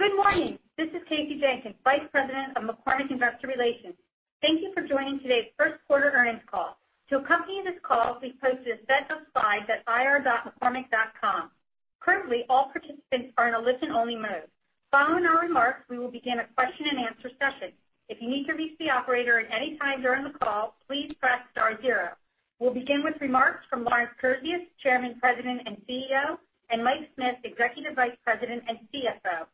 Good morning. This is Kasey Jenkins, Vice President of McCormick Investor Relations. Thank you for joining today's Q1 Earnings Call. To accompany this call, we've posted a set of slides at ir.mccormick.com. Currently, all participants are in a listen-only mode. Following our remarks, we will begin a question-and-answer session. If you need to reach the operator at any time during the call, please press *0. We'll begin with remarks from Lawrence Kurzius, Chairman, President, and CEO, and Mike Smith, Executive Vice President and CFO.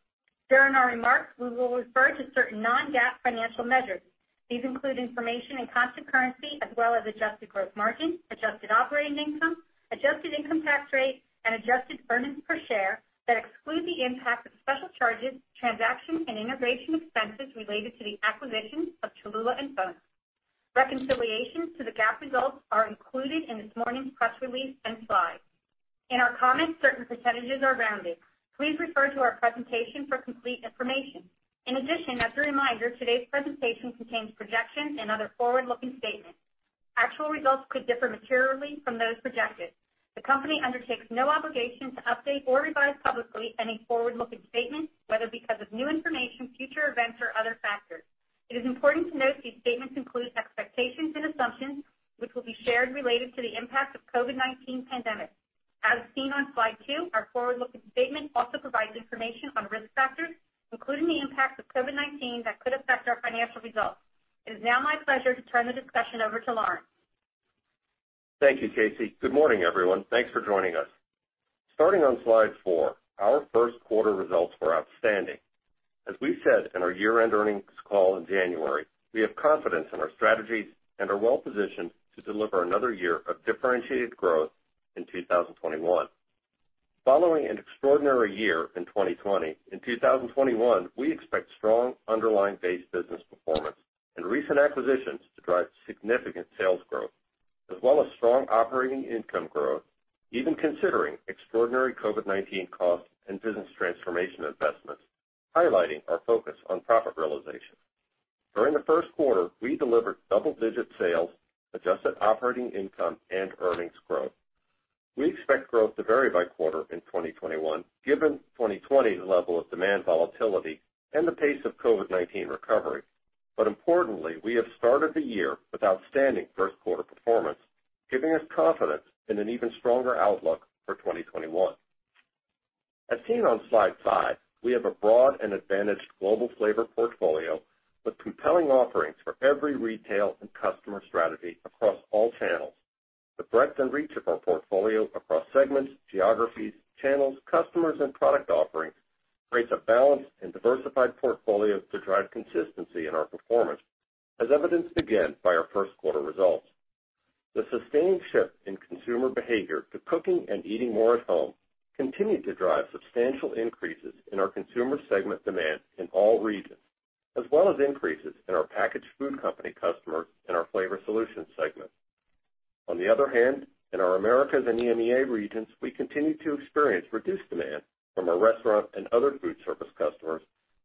During our remarks, we will refer to certain non-GAAP financial measures. These include information in constant currency as well as adjusted gross margin, adjusted operating income, adjusted income tax rate, and adjusted earnings per share that exclude the impact of special charges, transaction, and integration expenses related to the acquisition of Cholula and FONA. Reconciliations to the GAAP results are included in this morning's press release and slides. In our comments, certain % are rounded. Please refer to our presentation for complete information. In addition, as a reminder, today's presentation contains projections and other forward-looking statements. Actual results could differ materially from those projected. The company undertakes no obligation to update or revise publicly any forward-looking statement, whether because of new information, future events, or other factors. It is important to note these statements include expectations and assumptions, which will be shared related to the impact of COVID-19 pandemic. As seen on slide 2, our forward-looking statement also provides information on risk factors, including the impact of COVID-19, that could affect our financial results. It is now my pleasure to turn the discussion over to Lawrence. Thank you, Kasey. Good morning, everyone. Thanks for joining us. Starting on slide 4, our Q1 results were outstanding. As we said in our year-end earnings call in January, we have confidence in our strategies and are well-positioned to deliver another year of differentiated growth in 2021. Following an extraordinary year in 2020, in 2021, we expect strong underlying base business performance and recent acquisitions to drive significant sales growth as well as strong operating income growth, even considering extraordinary COVID-19 costs and business transformation investments, highlighting our focus on profit realization. During the Q1, we delivered double-digit sales, adjusted operating income, and earnings growth. We expect growth to vary by quarter in 2021, given 2020's level of demand volatility and the pace of COVID-19 recovery. Importantly, we have started the year with outstanding Q1 performance, giving us confidence in an even stronger outlook for 2021. As seen on slide 5, we have a broad and advantaged global flavor portfolio with compelling offerings for every retail and customer strategy across all channels. The breadth and reach of our portfolio across segments, geographies, channels, customers, and product offerings creates a balanced and diversified portfolio to drive consistency in our performance, as evidenced again by our Q1 results. The sustained shift in consumer behavior to cooking and eating more at home continued to drive substantial increases in our consumer segment demand in all regions, as well as increases in our packaged food company customers and our flavor solutions segment. On the other hand, in our Americas and EMEA regions, we continued to experience reduced demand from our restaurant and other food service customers,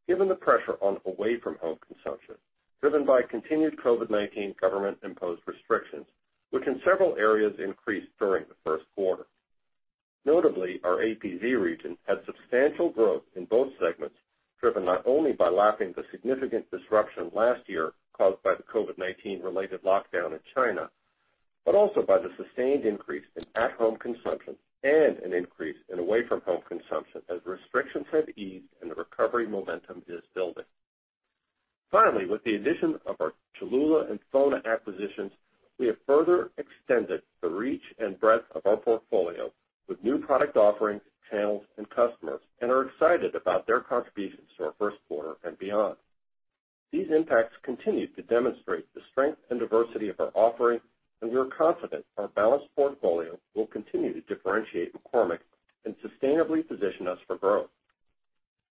given the pressure on away-from-home consumption, driven by continued COVID-19 government-imposed restrictions, which in several areas increased during the Q1. Notably, our APZ region had substantial growth in both segments, driven not only by lapping the significant disruption last year caused by the COVID-19 related lockdown in China, but also by the sustained increase in at-home consumption and an increase in away-from-home consumption as restrictions have eased and the recovery momentum is building. Finally, with the addition of our Cholula and FONA acquisitions, we have further extended the reach and breadth of our portfolio with new product offerings, channels, and customers and are excited about their contributions to our Q1 and beyond. These impacts continue to demonstrate the strength and diversity of our offering, and we are confident our balanced portfolio will continue to differentiate McCormick and sustainably position us for growth.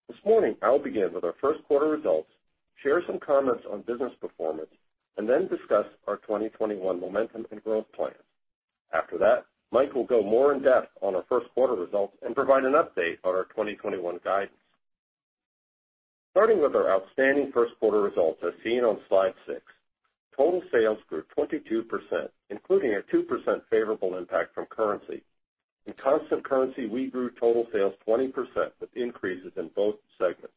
This morning, I'll begin with our Q1 results, share some comments on business performance, and then discuss our 2021 momentum and growth plans. After that, Mike will go more in depth on our Q1 results and provide an update on our 2021 guidance. Starting with our outstanding Q1 results, as seen on slide 6, total sales grew 22%, including a 2% favorable impact from currency. In constant currency, we grew total sales 20% with increases in both segments.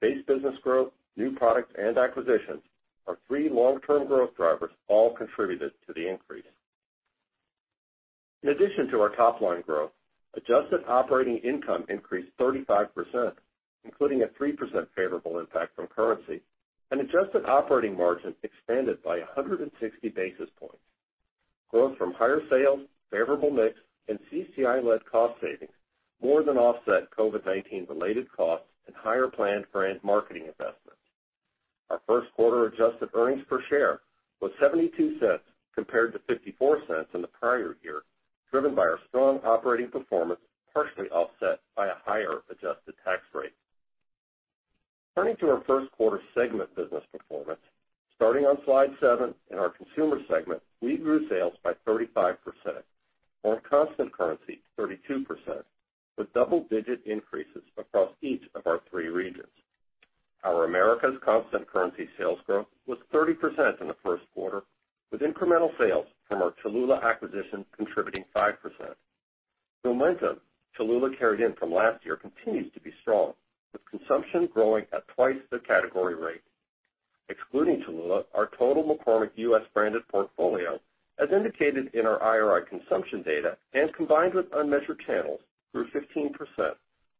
Base business growth, new products, and acquisitions, our three long-term growth drivers all contributed to the increase. In addition to our top-line growth, adjusted operating income increased 35%, including a 3% favorable impact from currency, and adjusted operating margin expanded by 160 basis points. Growth from higher sales, favorable mix, and CCI-led cost savings more than offset COVID-19 related costs and higher planned brand marketing investments. Our Q1 adjusted earnings per share was $0.72 compared to $0.54 in the prior year, driven by our strong operating performance, partially offset by a higher adjusted tax rate. Turning to our Q1 segment business performance, starting on slide 7, in our consumer segment, we grew sales by 35%, or constant currency 32%, with double-digit increases across each of our three regions. Our Americas constant currency sales growth was 30% in the Q1, with incremental sales from our Cholula acquisition contributing 5%. The momentum Cholula carried in from last year continues to be strong, with consumption growing at twice the category rate. Excluding Cholula, our total McCormick U.S. branded portfolio, as indicated in our IRI consumption data and combined with unmeasured channels, grew 15%,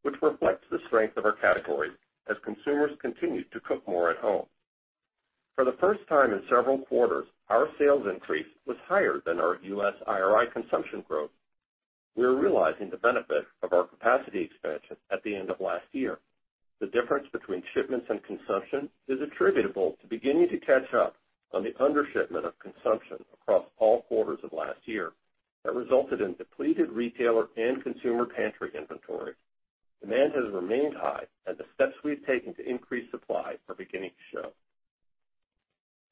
which reflects the strength of our category as consumers continue to cook more at home. For the first time in several quarters, our sales increase was higher than our U.S. IRI consumption growth. We're realizing the benefit of our capacity expansion at the end of last year. The difference between shipments and consumption is attributable to beginning to catch up on the undershipment of consumption across all quarters of last year that resulted in depleted retailer and consumer pantry inventory. Demand has remained high, the steps we've taken to increase supply are beginning to show.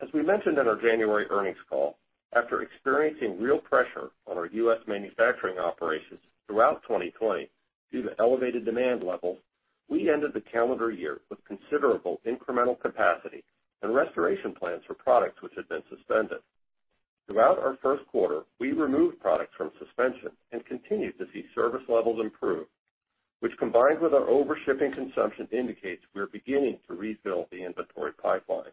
As we mentioned in our January earnings call, after experiencing real pressure on our U.S. manufacturing operations throughout 2020 due to elevated demand levels, we ended the calendar year with considerable incremental capacity and restoration plans for products which had been suspended. Throughout our Q1, we removed products from suspension and continued to see service levels improve, which combined with our overshipping consumption, indicates we're beginning to refill the inventory pipeline.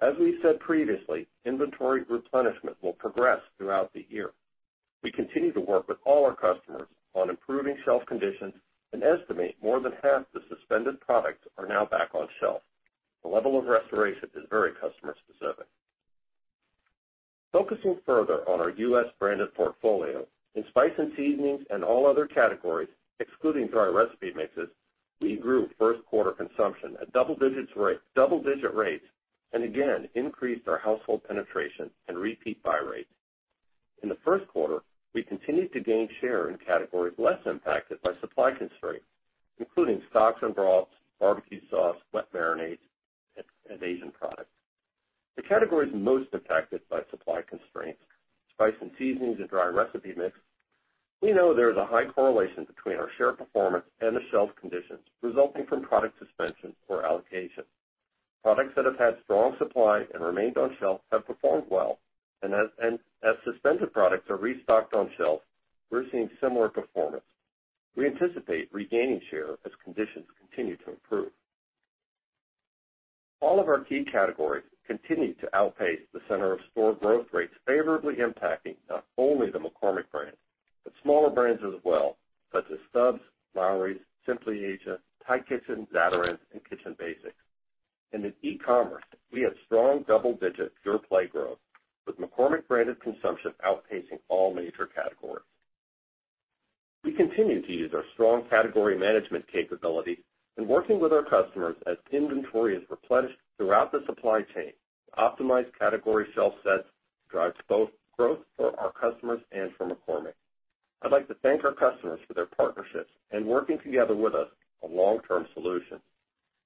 As we said previously, inventory replenishment will progress throughout the year. We continue to work with all our customers on improving shelf conditions and estimate more than half the suspended products are now back on shelf. The level of restoration is very customer specific. Focusing further on our U.S. branded portfolio, in spice and seasonings and all other categories, excluding dry recipe mixes, we grew Q1 consumption at double-digit rates, and again increased our household penetration and repeat buy rates. In the Q1, we continued to gain share in categories less impacted by supply constraints, including stocks and broths, barbecue sauce, wet marinades, and Asian products. The categories most affected by supply constraints, spice and seasonings, and dry recipe mix, we know there is a high correlation between our share performance and the shelf conditions resulting from product suspension or allocation. Products that have had strong supply and remained on shelf have performed well, and as suspended products are restocked on shelf, we're seeing similar performance. We anticipate regaining share as conditions continue to improve. All of our key categories continued to outpace the center of store growth rates, favorably impacting not only the McCormick brand, but smaller brands as well, such as Stubb's, Lawry's, Simply Asia, Thai Kitchen, Zatarain's, and Kitchen Basics. In e-commerce, we had strong double-digit pure play growth, with McCormick branded consumption outpacing all major categories. We continue to use our strong category management capability in working with our customers as inventory is replenished throughout the supply chain to optimize category shelf sets to drive both growth for our customers and for McCormick. I'd like to thank our customers for their partnerships and working together with us on long-term solutions.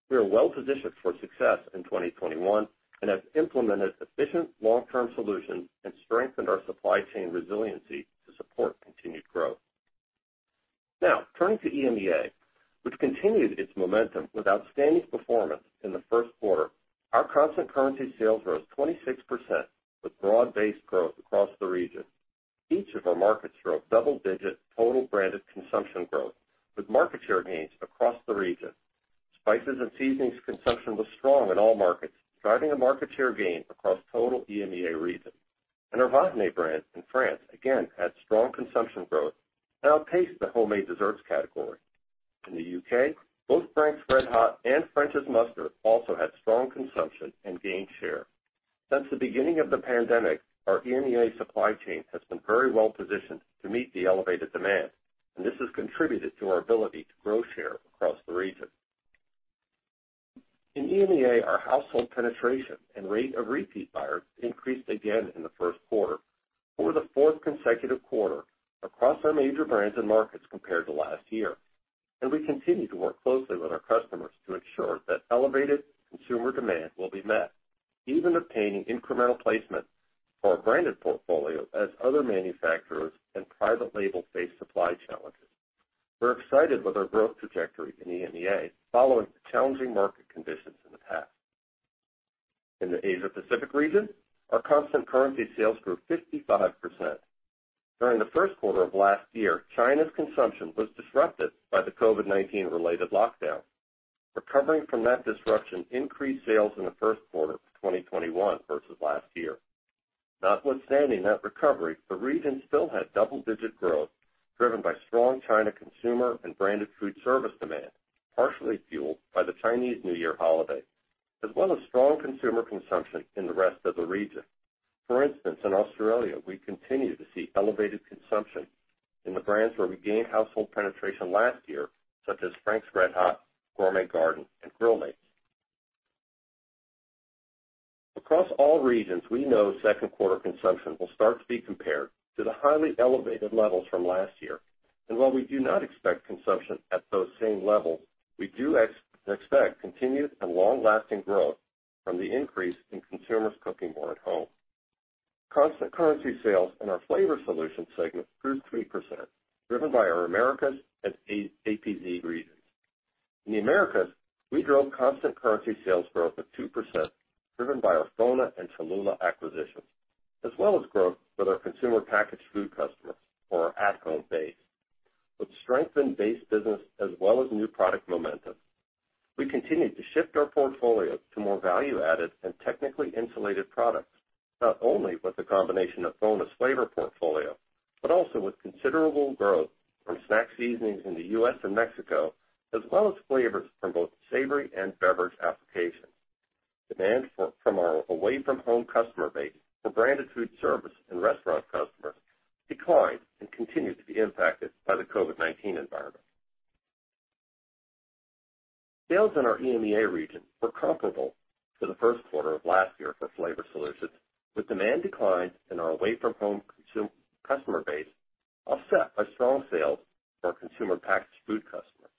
We are well-positioned for success in 2021 and have implemented efficient long-term solutions and strengthened our supply chain resiliency to support continued growth. Now, turning to EMEA, which continued its momentum with outstanding performance in the Q1. Our constant currency sales rose 26%, with broad-based growth across the region. Each of our markets drove double-digit total branded consumption growth with market share gains across the region. Spices and seasonings consumption was strong in all markets, driving a market share gain across total EMEA region. Our Vahiné brand in France, again, had strong consumption growth and outpaced the homemade desserts category. In the U.K., both Frank's RedHot and French's Mustard also had strong consumption and gained share. Since the beginning of the pandemic, our EMEA supply chain has been very well positioned to meet the elevated demand, and this has contributed to our ability to grow share across the region. In EMEA, our household penetration and rate of repeat buyers increased again in the Q1 for the fourth consecutive quarter across our major brands and markets compared to last year. We continue to work closely with our customers to ensure that elevated consumer demand will be met, even obtaining incremental placement for our branded portfolio as other manufacturers and private label face supply challenges. We're excited with our growth trajectory in EMEA following the challenging market conditions in the past. In the Asia-Pacific region, our constant currency sales grew 55%. During the Q1 of last year, China's consumption was disrupted by the COVID-19 related lockdowns. Recovering from that disruption increased sales in the Q1 of 2021 versus last year. Notwithstanding that recovery, the region still had double-digit growth driven by strong China consumer and branded food service demand, partially fueled by the Chinese New Year holiday, as well as strong consumer consumption in the rest of the region. For instance, in Australia, we continue to see elevated consumption in the brands where we gained household penetration last year, such as Frank's RedHot, Gourmet Garden, and Grill Mates. Across all regions, we know Q2 consumption will start to be compared to the highly elevated levels from last year. While we do not expect consumption at those same levels, we do expect continued and long-lasting growth from the increase in consumers cooking more at home. Constant currency sales in our Flavor Solutions segment grew 3%, driven by our Americas and APZ regions. In the Americas, we drove constant currency sales growth of 2%, driven by our FONA and Cholula acquisitions, as well as growth with our consumer packaged food customers or our at-home base. With strengthened base business as well as new product momentum, we continued to shift our portfolio to more value-added and technically insulated products, not only with the combination of FONA's flavor portfolio, but also with considerable growth from snack seasonings in the U.S. and Mexico, as well as flavors from both savory and beverage applications. Demand from our away-from-home customer base for branded food service and restaurant customers declined and continued to be impacted by the COVID-19 environment. Sales in our EMEA region were comparable to the Q1 of last year for Flavor Solutions, with demand declines in our away-from-home customer base offset by strong sales to our consumer packaged food customers.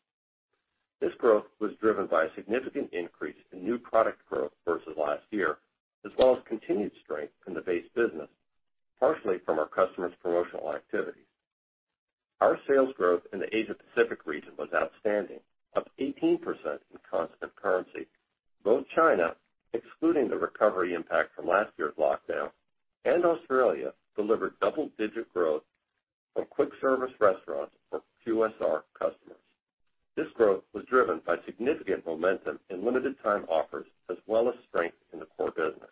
This growth was driven by a significant increase in new product growth versus last year, as well as continued strength in the base business, partially from our customers' promotional activities. Our sales growth in the Asia Pacific region was outstanding, up 18% in constant currency. Both China, excluding the recovery impact from last year's lockdown, and Australia delivered double-digit growth from quick service restaurants or QSR customers. This growth was driven by significant momentum in limited time offers as well as strength in the core business.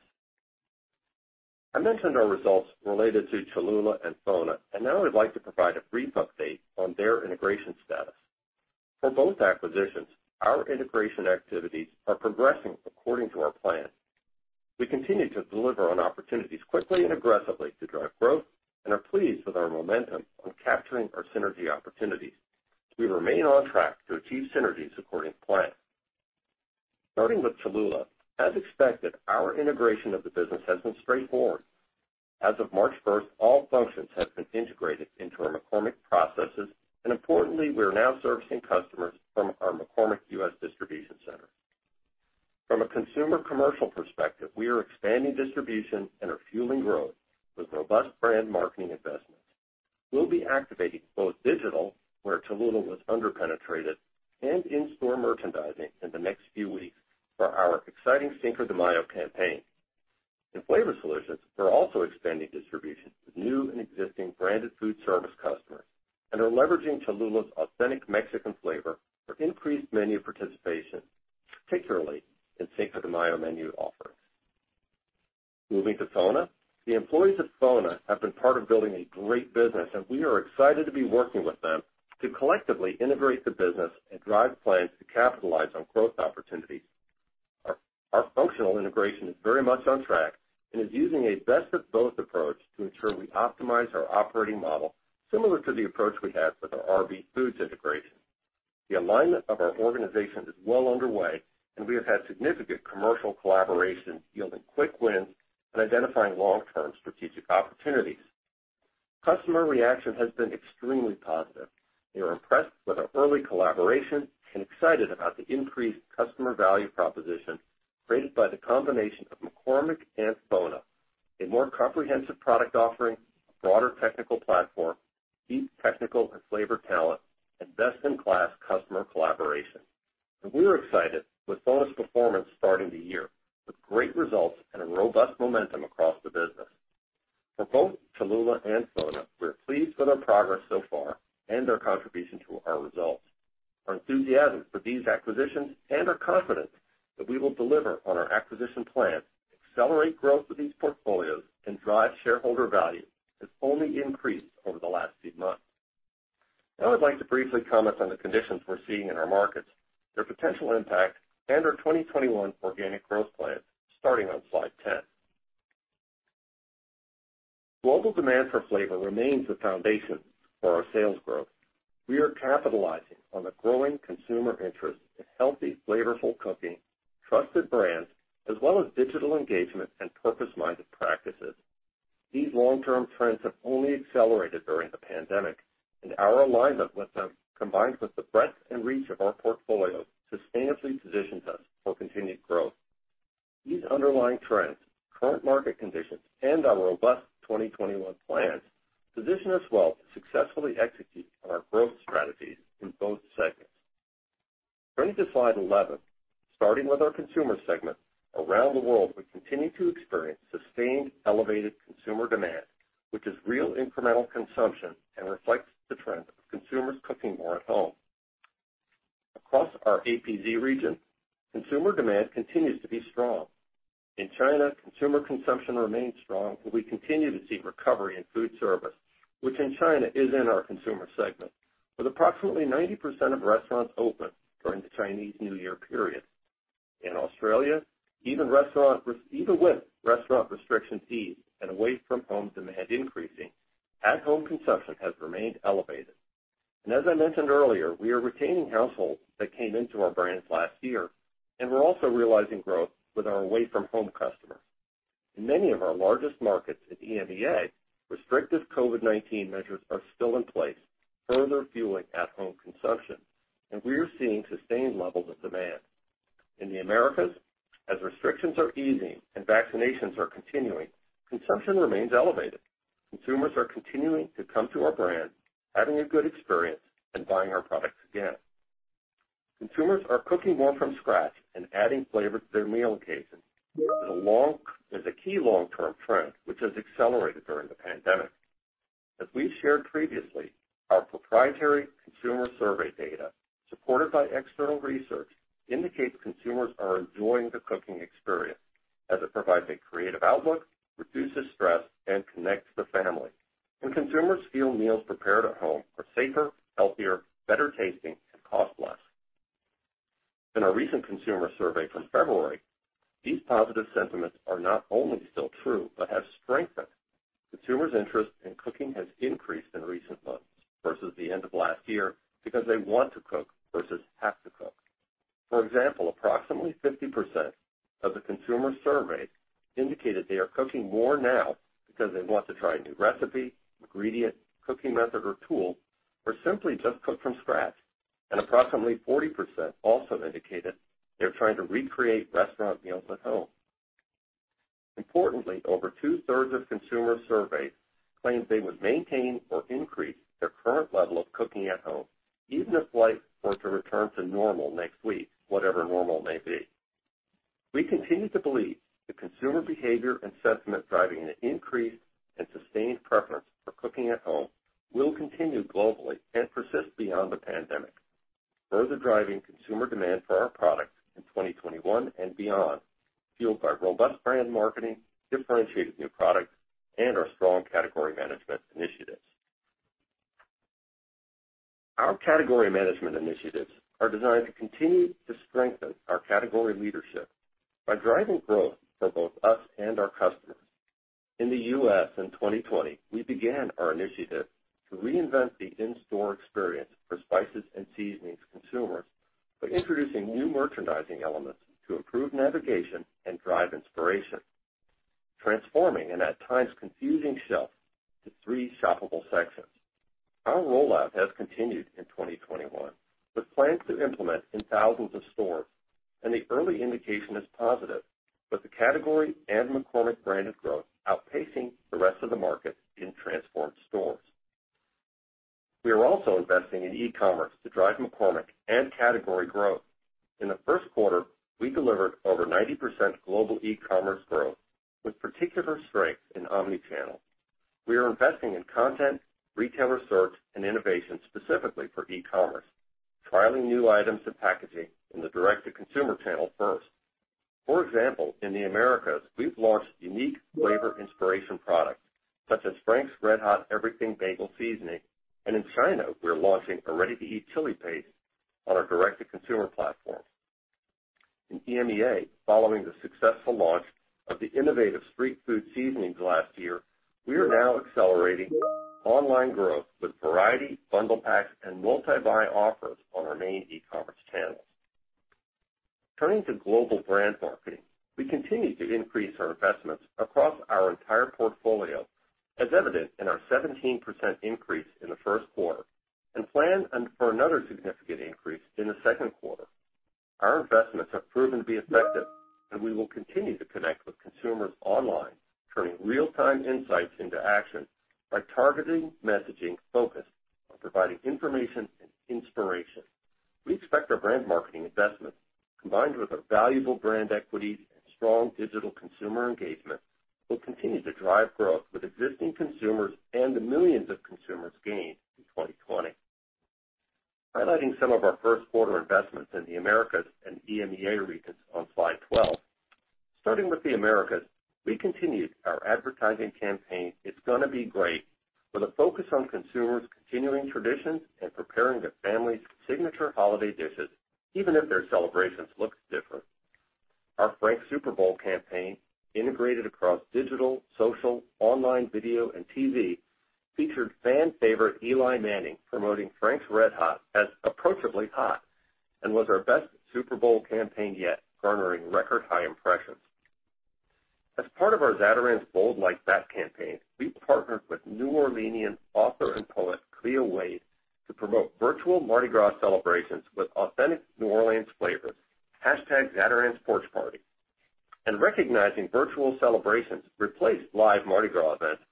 I mentioned our results related to Cholula and FONA, and now I'd like to provide a brief update on their integration status. For both acquisitions, our integration activities are progressing according to our plan. We continue to deliver on opportunities quickly and aggressively to drive growth and are pleased with our momentum on capturing our synergy opportunities. We remain on track to achieve synergies according to plan. Starting with Cholula, as expected, our integration of the business has been straightforward. As of March 1st, all functions have been integrated into our McCormick processes, and importantly, we are now servicing customers from our McCormick U.S. Distribution Center. From a consumer commercial perspective, we are expanding distribution and are fueling growth with robust brand marketing investments. We'll be activating both digital, where Cholula was under-penetrated, and in-store merchandising in the next few weeks for our exciting Cinco de Mayo campaign. In flavor solutions, we're also expanding distribution to new and existing branded food service customers and are leveraging Cholula's authentic Mexican flavor for increased menu participation, particularly in Cinco de Mayo menu offerings. Moving to FONA. The employees of FONA have been part of building a great business, and we are excited to be working with them to collectively integrate the business and drive plans to capitalize on growth opportunities. Our functional integration is very much on track and is using a best of both approach to ensure we optimize our operating model, similar to the approach we had with our RB Foods integration. The alignment of our organization is well underway, and we have had significant commercial collaboration yielding quick wins and identifying long-term strategic opportunities. Customer reaction has been extremely positive. They are impressed with our early collaboration and excited about the increased customer value proposition created by the combination of McCormick and FONA, a more comprehensive product offering, a broader technical platform, deep technical and flavor talent, and best-in-class customer collaboration. We're excited with FONA's performance starting the year with great results and a robust momentum across the business. For both Cholula and FONA, we are pleased with our progress so far and their contribution to our results. Our enthusiasm for these acquisitions and our confidence that we will deliver on our acquisition plans, accelerate growth with these portfolios, and drive shareholder value has only increased over the last few months. Now I'd like to briefly comment on the conditions we're seeing in our markets, their potential impact, and our 2021 organic growth plans, starting on slide 10. Global demand for flavor remains the foundation for our sales growth. We are capitalizing on the growing consumer interest in healthy, flavorful cooking, trusted brands, as well as digital engagement and purpose-minded practices. These long-term trends have only accelerated during the pandemic, and our alignment with them, combined with the breadth and reach of our portfolio, sustainably positions us for continued growth. These underlying trends, current market conditions, and our robust 2021 plans position us well to successfully execute on our growth strategies in both segments. Turning to slide 11, starting with our consumer segment, around the world, we continue to experience sustained elevated consumer demand, which is real incremental consumption and reflects the trend of consumers cooking more at home. Across our APZ region, consumer demand continues to be strong. In China, consumer consumption remains strong, and we continue to see recovery in food service, which in China is in our consumer segment. With approximately 90% of restaurants open during the Chinese New Year period. In Australia, even with restaurant restrictions eased and away-from-home demand increasing, at-home consumption has remained elevated. As I mentioned earlier, we are retaining households that came into our brands last year, and we're also realizing growth with our away-from-home customers. In many of our largest markets in EMEA, restrictive COVID-19 measures are still in place, further fueling at-home consumption, and we are seeing sustained levels of demand. In the Americas, as restrictions are easing and vaccinations are continuing, consumption remains elevated. Consumers are continuing to come to our brand, having a good experience, and buying our products again. Consumers are cooking more from scratch and adding flavor to their meal occasions, as a key long-term trend which has accelerated during the pandemic. As we've shared previously, our proprietary consumer survey data, supported by external research, indicates consumers are enjoying the cooking experience as it provides a creative outlook, reduces stress, and connects the family. Consumers feel meals prepared at home are safer, healthier, better tasting, and cost less. In our recent consumer survey from February, these positive sentiments are not only still true but have strengthened. Consumers' interest in cooking has increased in recent months versus the end of last year because they want to cook versus have to cook. For example, approximately 50% of the consumers surveyed indicated they are cooking more now because they want to try a new recipe, ingredient, cooking method, or tool, or simply just cook from scratch. Approximately 40% also indicated they're trying to recreate restaurant meals at home. Importantly, over two-thirds of consumers surveyed claimed they would maintain or increase their current level of cooking at home, even if life were to return to normal next week, whatever normal may be. We continue to believe that consumer behavior and sentiment driving an increased and sustained preference for cooking at home will continue globally and persist beyond the pandemic. Those are driving consumer demand for our products in 2021 and beyond, fueled by robust brand marketing, differentiated new products, and our strong category management initiatives. Our category management initiatives are designed to continue to strengthen our category leadership by driving growth for both us and our customers. In the U.S. in 2020, we began our initiative to reinvent the in-store experience for spices and seasonings consumers by introducing new merchandising elements to improve navigation and drive inspiration, transforming an at times confusing shelf to three shoppable sections. Our rollout has continued in 2021, with plans to implement in thousands of stores, and the early indication is positive, with the category and McCormick branded growth outpacing the rest of the market in transformed stores. We are also investing in e-commerce to drive McCormick and category growth. In the Q1, we delivered over 90% global e-commerce growth, with particular strength in omni-channel. We are investing in content, retail research, and innovation specifically for e-commerce, trialing new items and packaging in the direct-to-consumer channel first. For example, in the Americas, we've launched unique flavor inspiration products such as Frank's RedHot Everything Bagel Seasoning, and in China, we are launching a ready-to-eat chili paste on our direct-to-consumer platform. In EMEA, following the successful launch of the innovative Street Food Seasonings last year, we are now accelerating online growth with variety, bundle packs, and multi-buy offers on our main e-commerce channels. Turning to global brand marketing, we continue to increase our investments across our entire portfolio, as evident in our 17% increase in the Q1, and plan for another significant increase in the Q2. Our investments have proven to be effective, we will continue to connect with consumers online, turning real-time insights into action by targeting messaging focused on providing information and inspiration. We expect our brand marketing investments, combined with our valuable brand equity and strong digital consumer engagement, will continue to drive growth with existing consumers and the millions of consumers gained in 2020. Highlighting some of our Q1 investments in the Americas and EMEA regions on slide 12. Starting with the Americas, we continued our advertising campaign, It's Gonna Be Great, with a focus on consumers continuing traditions and preparing their family's signature holiday dishes, even if their celebrations looked different. Our Frank's Super Bowl campaign, integrated across digital, social, online video, and TV, featured fan favorite Eli Manning promoting Frank's RedHot as approachably hot and was our best Super Bowl campaign yet, garnering record high impressions. As part of our Zatarain's Bold Like That campaign, we partnered with New Orleanian author and poet Cleo Wade to promote virtual Mardi Gras celebrations with authentic New Orleans flavor, #ZatarainsPorchParty. Recognizing virtual celebrations replaced live Mardi Gras events,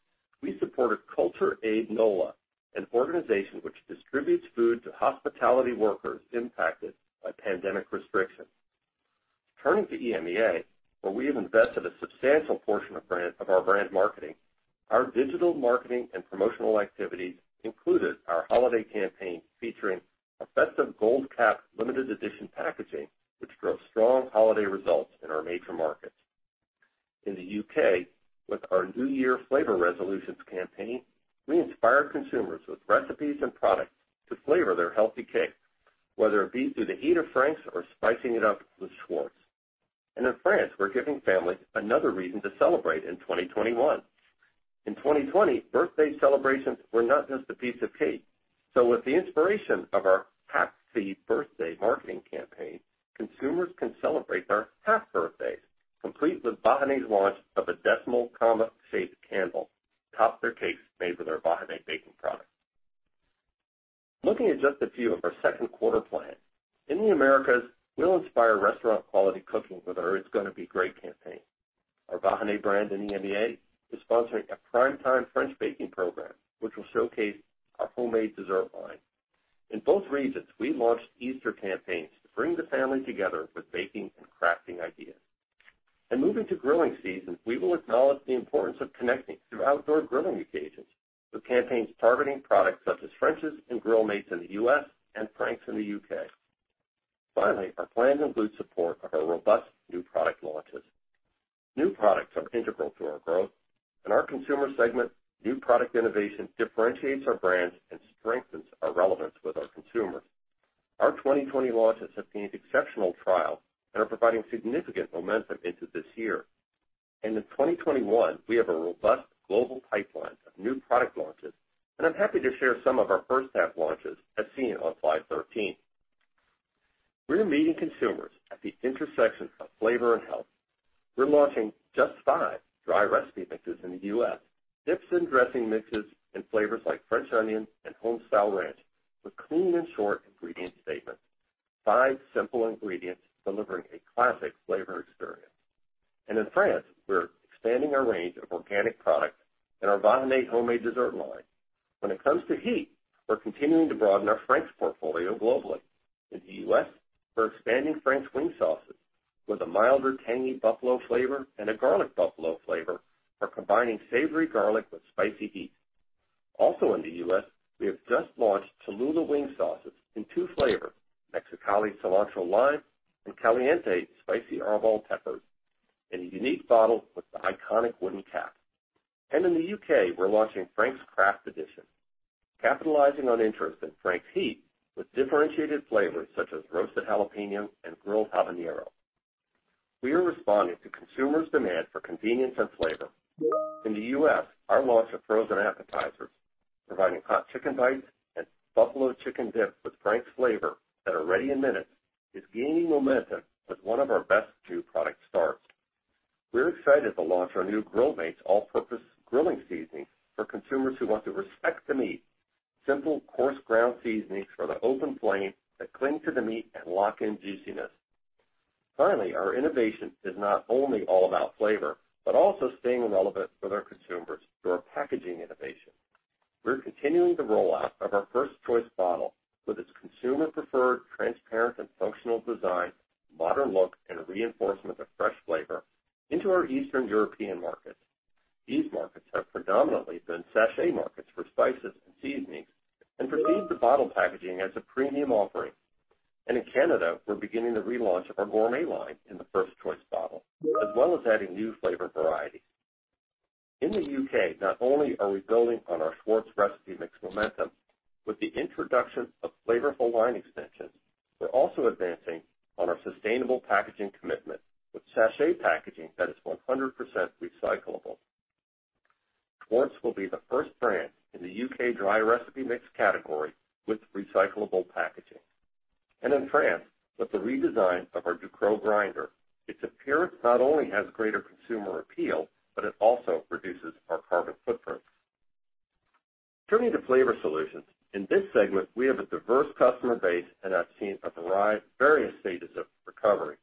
we supported Culture Aid NOLA, an organization which distributes food to hospitality workers impacted by pandemic restrictions. Turning to EMEA, where we have invested a substantial portion of our brand marketing, our digital marketing and promotional activities included our holiday campaign featuring festive gold cap limited edition packaging, which drove strong holiday results in our major markets. In the U.K., with our New Year flavor resolutions campaign, we inspired consumers with recipes and products to flavor their healthy cakes, whether it be through the heat of Frank's or spicing it up with Schwartz. In France, we're giving families another reason to celebrate in 2021. In 2020, birthday celebrations were not just a piece of cake, so with the inspiration of our Half-py Birthday marketing campaign, consumers can celebrate their half birthdays, complete with Vahiné's launch of a decimal comma shaped candle to top their cakes made with our Vahiné baking products. Looking at just a few of our Q2 plans. In the Americas, we'll inspire restaurant-quality cooking with our It's Gonna Be Great campaign. Our Vahiné brand in EMEA is sponsoring a prime-time French baking program, which will showcase our homemade dessert line. In both regions, we launched Easter campaigns to bring the family together with baking and crafting ideas. Moving to grilling season, we will acknowledge the importance of connecting through outdoor grilling occasions with campaigns targeting products such as French's and Grill Mates in the U.S. and Frank's in the U.K. Finally, our plan includes support of our robust new product launches. New products are integral to our growth. In our consumer segment, new product innovation differentiates our brands and strengthens our relevance with our consumers. Our 2020 launches have seen exceptional trial and are providing significant momentum into this year. In 2021, we have a robust global pipeline of new product launches, and I'm happy to share some of our first-half launches as seen on slide 13. We're meeting consumers at the intersection of flavor and health. We're launching Just 5 dry recipe mixes in the U.S., dips, and dressing mixes in flavors like French onion and home-style ranch, with clean and short ingredient statements. Five simple ingredients delivering a classic flavor experience. In France, we're expanding our range of organic products in our Vahiné homemade dessert line. When it comes to heat, we're continuing to broaden our Frank's portfolio globally. In the U.S., we're expanding Frank's wing sauces with a milder, tangy Buffalo flavor, and a garlic Buffalo flavor are combining savory garlic with spicy heat. Also in the U.S., we have just launched Cholula wing sauces in two flavors, Mexicali Cilantro Lime and Caliente Spicy Arbol Peppers, in a unique bottle with the iconic wooden cap. In the U.K., we're launching Frank's Craft Edition, capitalizing on interest in Frank's heat with differentiated flavors such as roasted jalapeno and grilled habanero. We are responding to consumers' demand for convenience and flavor. In the U.S., our launch of frozen appetizers, providing hot chicken bites and Buffalo chicken dip with Frank's flavor that are ready in minutes, is gaining momentum with one of our best two product starts. We're excited to launch our new Grill Mates all-purpose grilling seasoning for consumers who want to respect the meat. Simple coarse ground seasonings for the open flame that cling to the meat and lock in juiciness. Finally, our innovation is not only all about flavor, but also staying relevant with our consumers through our packaging innovation. We're continuing the rollout of our First Choice bottle with its consumer-preferred transparent and functional design, modern look, and reinforcement of fresh flavor into our Eastern European markets. These markets have predominantly been sachet markets for spices and seasonings and perceive the bottle packaging as a premium offering. In Canada, we're beginning the relaunch of our gourmet line in the First Choice bottle, as well as adding new flavor varieties. In the U.K., not only are we building on our Schwartz recipe mix momentum with the introduction of flavorful line extensions, we're also advancing on our sustainable packaging commitment with sachet packaging that is 100% recyclable. Schwartz will be the first brand in the U.K. dry recipe mix category with recyclable packaging. In France, with the redesign of our Ducros grinder, its appearance not only has greater consumer appeal, but it also reduces our carbon footprint. Turning to flavor solutions. In this segment, we have a diverse customer base and have seen various stages of recovery.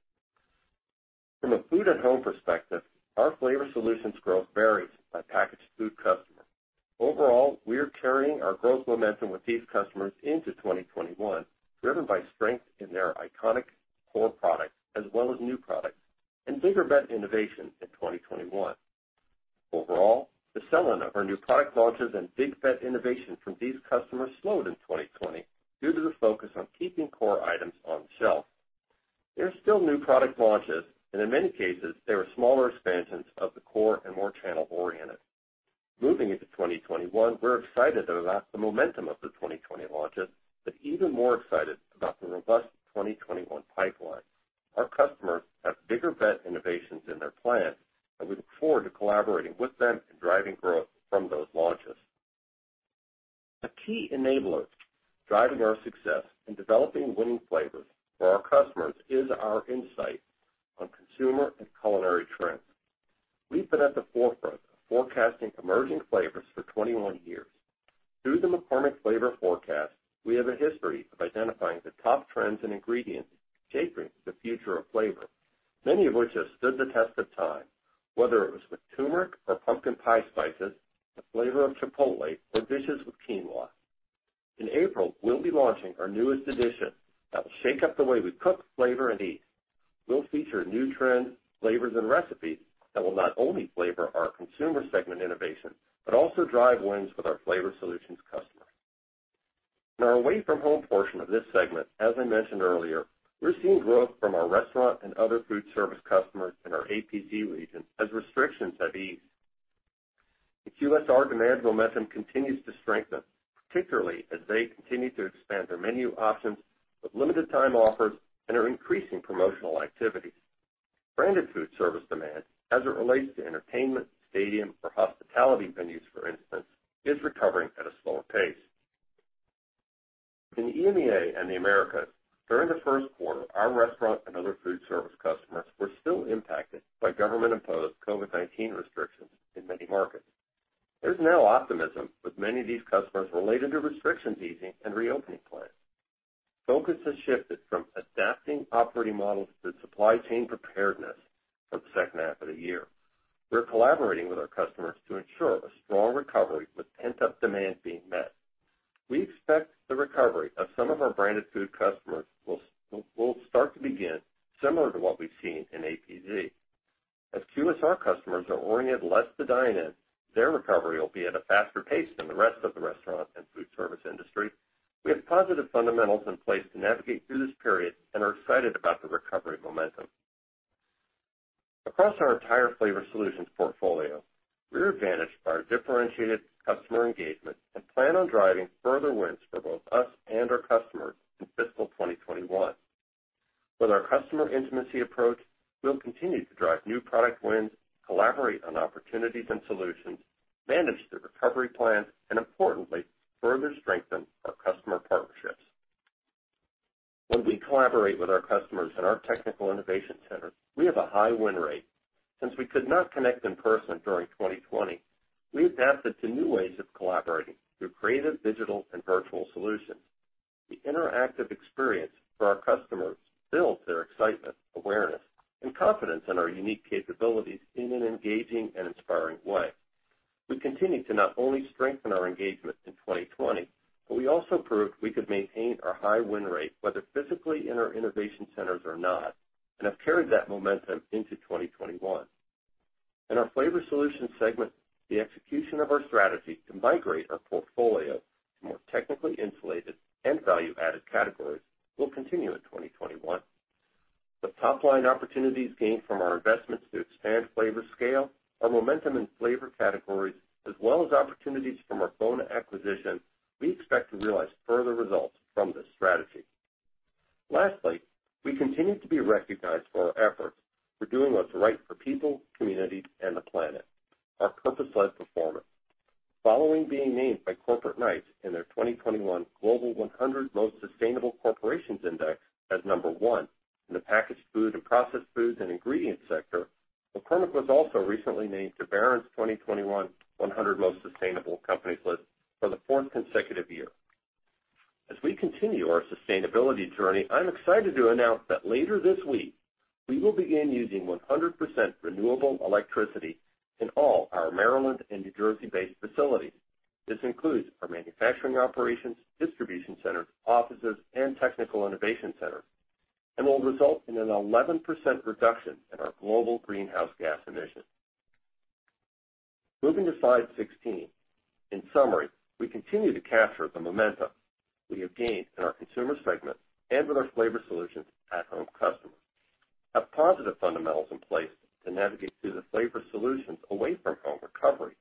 From a food at home perspective, our flavor solutions growth varies by packaged food customer. Overall, we are carrying our growth momentum with these customers into 2021, driven by strength in their iconic core products as well as new products and bigger bet innovation in 2021. Overall, the selling of our new product launches and bigger bet innovation from these customers slowed in 2020 due to the focus on keeping core items on the shelf. There are still new product launches, and in many cases, they were smaller expansions of the core and more channel-oriented. Moving into 2021, we're excited about the momentum of the 2020 launches, but even more excited about the robust 2021 pipeline. Our customers have bigger bet innovations in their plans, and we look forward to collaborating with them and driving growth from those launches. A key enabler driving our success in developing winning flavors for our customers is our insight on consumer and culinary trends. We've been at the forefront of forecasting emerging flavors for 21 years. Through the McCormick Flavor Forecast, we have a history of identifying the top trends and ingredients shaping the future of flavor, many of which have stood the test of time, whether it was with turmeric or pumpkin pie spices, the flavor of Chipotle, or dishes with quinoa. In April, we'll be launching our newest edition that will shake up the way we cook, flavor, and eat. We'll feature new trends, flavors, and recipes that will not only flavor our consumer segment innovation, but also drive wins with our flavor solutions customers. In our away-from-home portion of this segment, as I mentioned earlier, we're seeing growth from our restaurant and other food service customers in our APZ region as restrictions have eased. In QSR, demand momentum continues to strengthen, particularly as they continue to expand their menu options with limited-time offers and are increasing promotional activities. Branded food service demand, as it relates to entertainment, stadium, or hospitality venues, for instance, is recovering at a slower pace. In EMEA and the Americas during the Q1, our restaurant and other food service customers were still impacted by government-imposed COVID-19 restrictions in many markets. There's now optimism with many of these customers related to restrictions easing and reopening plans. Focus has shifted from adapting operating models to supply chain preparedness for the second half of the year. We're collaborating with our customers to ensure a strong recovery with pent-up demand being met. We expect the recovery of some of our branded food customers will start to begin similar to what we've seen in APZ. As QSR customers are oriented less to dine-in, their recovery will be at a faster pace than the rest of the restaurant and food service industry. We have positive fundamentals in place to navigate through this period and are excited about the recovery momentum. Across our entire flavor solutions portfolio, we're advantaged by our differentiated customer engagement and plan on driving further wins for both us and our customers in fiscal 2021. With our customer intimacy approach, we'll continue to drive new product wins, collaborate on opportunities and solutions, manage the recovery plan, and importantly, further strengthen our customer partnerships. When we collaborate with our customers in our technical innovation center, we have a high win rate. Since we could not connect in person during 2020, we adapted to new ways of collaborating through creative digital and virtual solutions. The interactive experience for our customers builds their excitement, awareness, and confidence in our unique capabilities in an engaging and inspiring way. We continued to not only strengthen our engagement in 2020, but we also proved we could maintain our high win rate, whether physically in our innovation centers or not, and have carried that momentum into 2021. In our flavor solutions segment, the execution of our strategy to migrate our portfolio to more technically insulated and value-added categories will continue in 2021. The top-line opportunities gained from our investments to expand flavor scale, our momentum in flavor categories, as well as opportunities from the FONA acquisition, we expect to realize further results from this strategy. Lastly, we continue to be recognized for our efforts for doing what's right for people, communities, and the planet, our purpose-led performance. Following being named by Corporate Knights in their 2021 Global 100 Most Sustainable Corporations Index as number 1 in the packaged food and processed foods and ingredients sector, McCormick was also recently named to Barron's 2021 100 Most Sustainable Companies list for the fourth consecutive year. As we continue our sustainability journey, I'm excited to announce that later this week, we will begin using 100% renewable electricity in all our Maryland and New Jersey-based facilities. This includes our manufacturing operations, distribution centers, offices, and technical innovation center and will result in an 11% reduction in our global greenhouse gas emissions. Moving to slide 16. In summary, we continue to capture the momentum we have gained in our consumer segment and with our flavor solutions at-home customers, have positive fundamentals in place to navigate through the flavor solutions away-from-home recovery,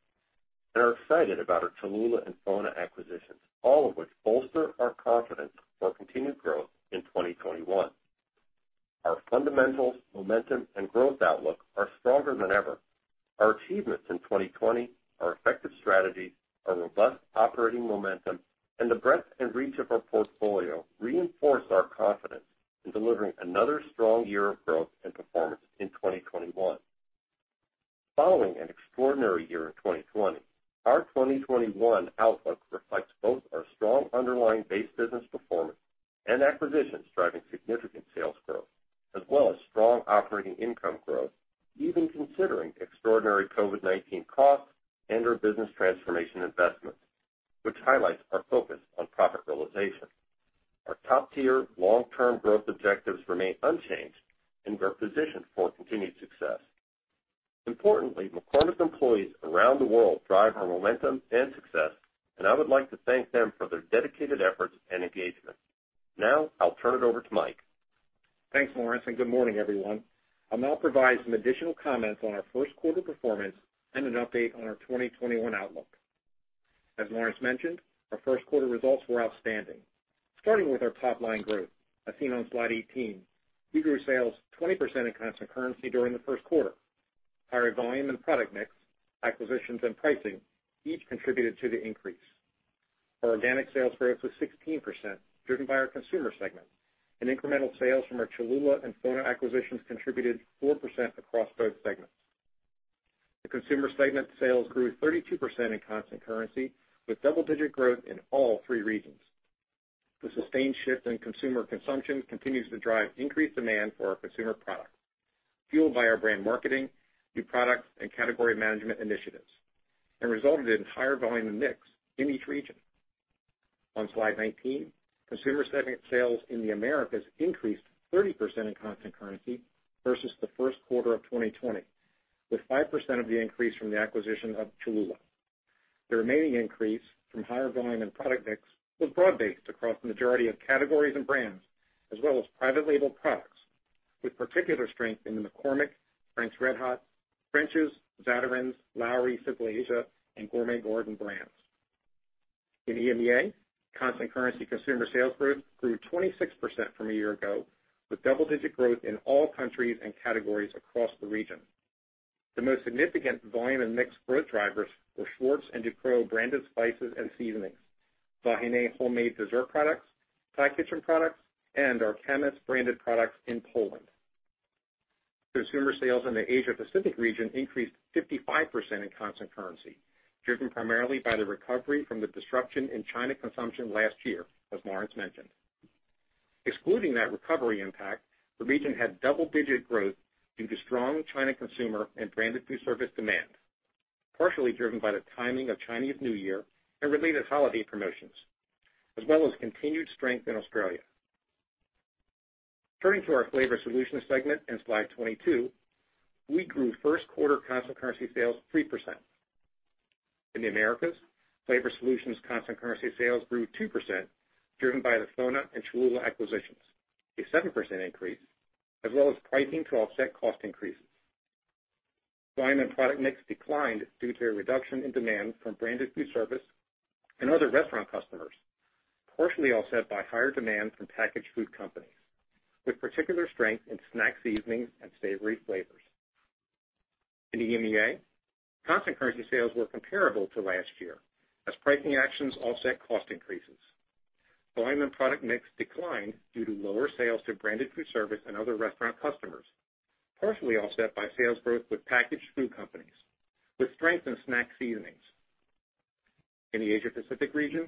and are excited about our Cholula and FONA acquisitions, all of which bolster our confidence for continued growth in 2021. Our fundamentals, momentum, and growth outlook are stronger than ever. Our achievements in 2020, our effective strategies, our robust operating momentum, and the breadth and reach of our portfolio reinforce our confidence in delivering another strong year of growth and performance in 2021. Following an extraordinary year in 2020, our 2021 outlook reflects both our strong underlying base business performance and acquisitions driving significant sales growth, as well as strong operating income growth, even considering extraordinary COVID-19 costs and our business transformation investments, which highlights our focus on profit realization. Our top-tier long-term growth objectives remain unchanged, and we're positioned for continued success. Importantly, McCormick's employees around the world drive our momentum and success, and I would like to thank them for their dedicated efforts and engagement. Now, I'll turn it over to Mike. Thanks, Lawrence, good morning, everyone. I'll now provide some additional comments on our Q1 performance and an update on our 2021 outlook. As Lawrence mentioned, our Q1 results were outstanding. Starting with our top-line growth, as seen on slide 18, we grew sales 20% in constant currency during the Q1. Higher volume and product mix, acquisitions, and pricing each contributed to the increase. Our organic sales growth was 16%, driven by our consumer segment, and incremental sales from our Cholula and FONA acquisitions contributed 4% across both segments. The consumer segment sales grew 32% in constant currency, with double-digit growth in all three regions. The sustained shift in consumer consumption continues to drive increased demand for our consumer products, fueled by our brand marketing, new product, and category management initiatives, and resulted in higher volume and mix in each region. On slide 19, consumer segment sales in the Americas increased 30% in constant currency versus the Q1 of 2020, with 5% of the increase from the acquisition of Cholula. The remaining increase from higher volume and product mix was broad-based across the majority of categories and brands, as well as private label products, with particular strength in the McCormick, Frank's RedHot, French's, Zatarain's, Lawry's, Simply Asia, and Gourmet Garden brands. In EMEA, constant currency consumer sales grew 26% from a year ago, with double-digit growth in all countries and categories across the region. The most significant volume and mix growth drivers were Schwartz and Ducros branded spices and seasonings, Vahiné homemade dessert products, Thai Kitchen products, and our Kamis branded products in Poland. Consumer sales in the Asia Pacific region increased 55% in constant currency, driven primarily by the recovery from the disruption in China consumption last year, as Lawrence mentioned. Excluding that recovery impact, the region had double-digit growth due to strong China consumer and branded food service demand, partially driven by the timing of Chinese New Year and related holiday promotions, as well as continued strength in Australia. Turning to our Flavor Solutions segment on slide 22, we grew Q1 constant currency sales 3%. In the Americas, Flavor Solutions constant currency sales grew 2%, driven by the FONA and Cholula acquisitions, a 7% increase, as well as pricing to offset cost increases. Volume and product mix declined due to a reduction in demand from branded food service and other restaurant customers, partially offset by higher demand from packaged food companies, with particular strength in snack seasonings and savory flavors. In EMEA, constant currency sales were comparable to last year as pricing actions offset cost increases. Volume and product mix declined due to lower sales to branded food service and other restaurant customers, partially offset by sales growth with packaged food companies, with strength in snack seasonings. In the Asia Pacific region,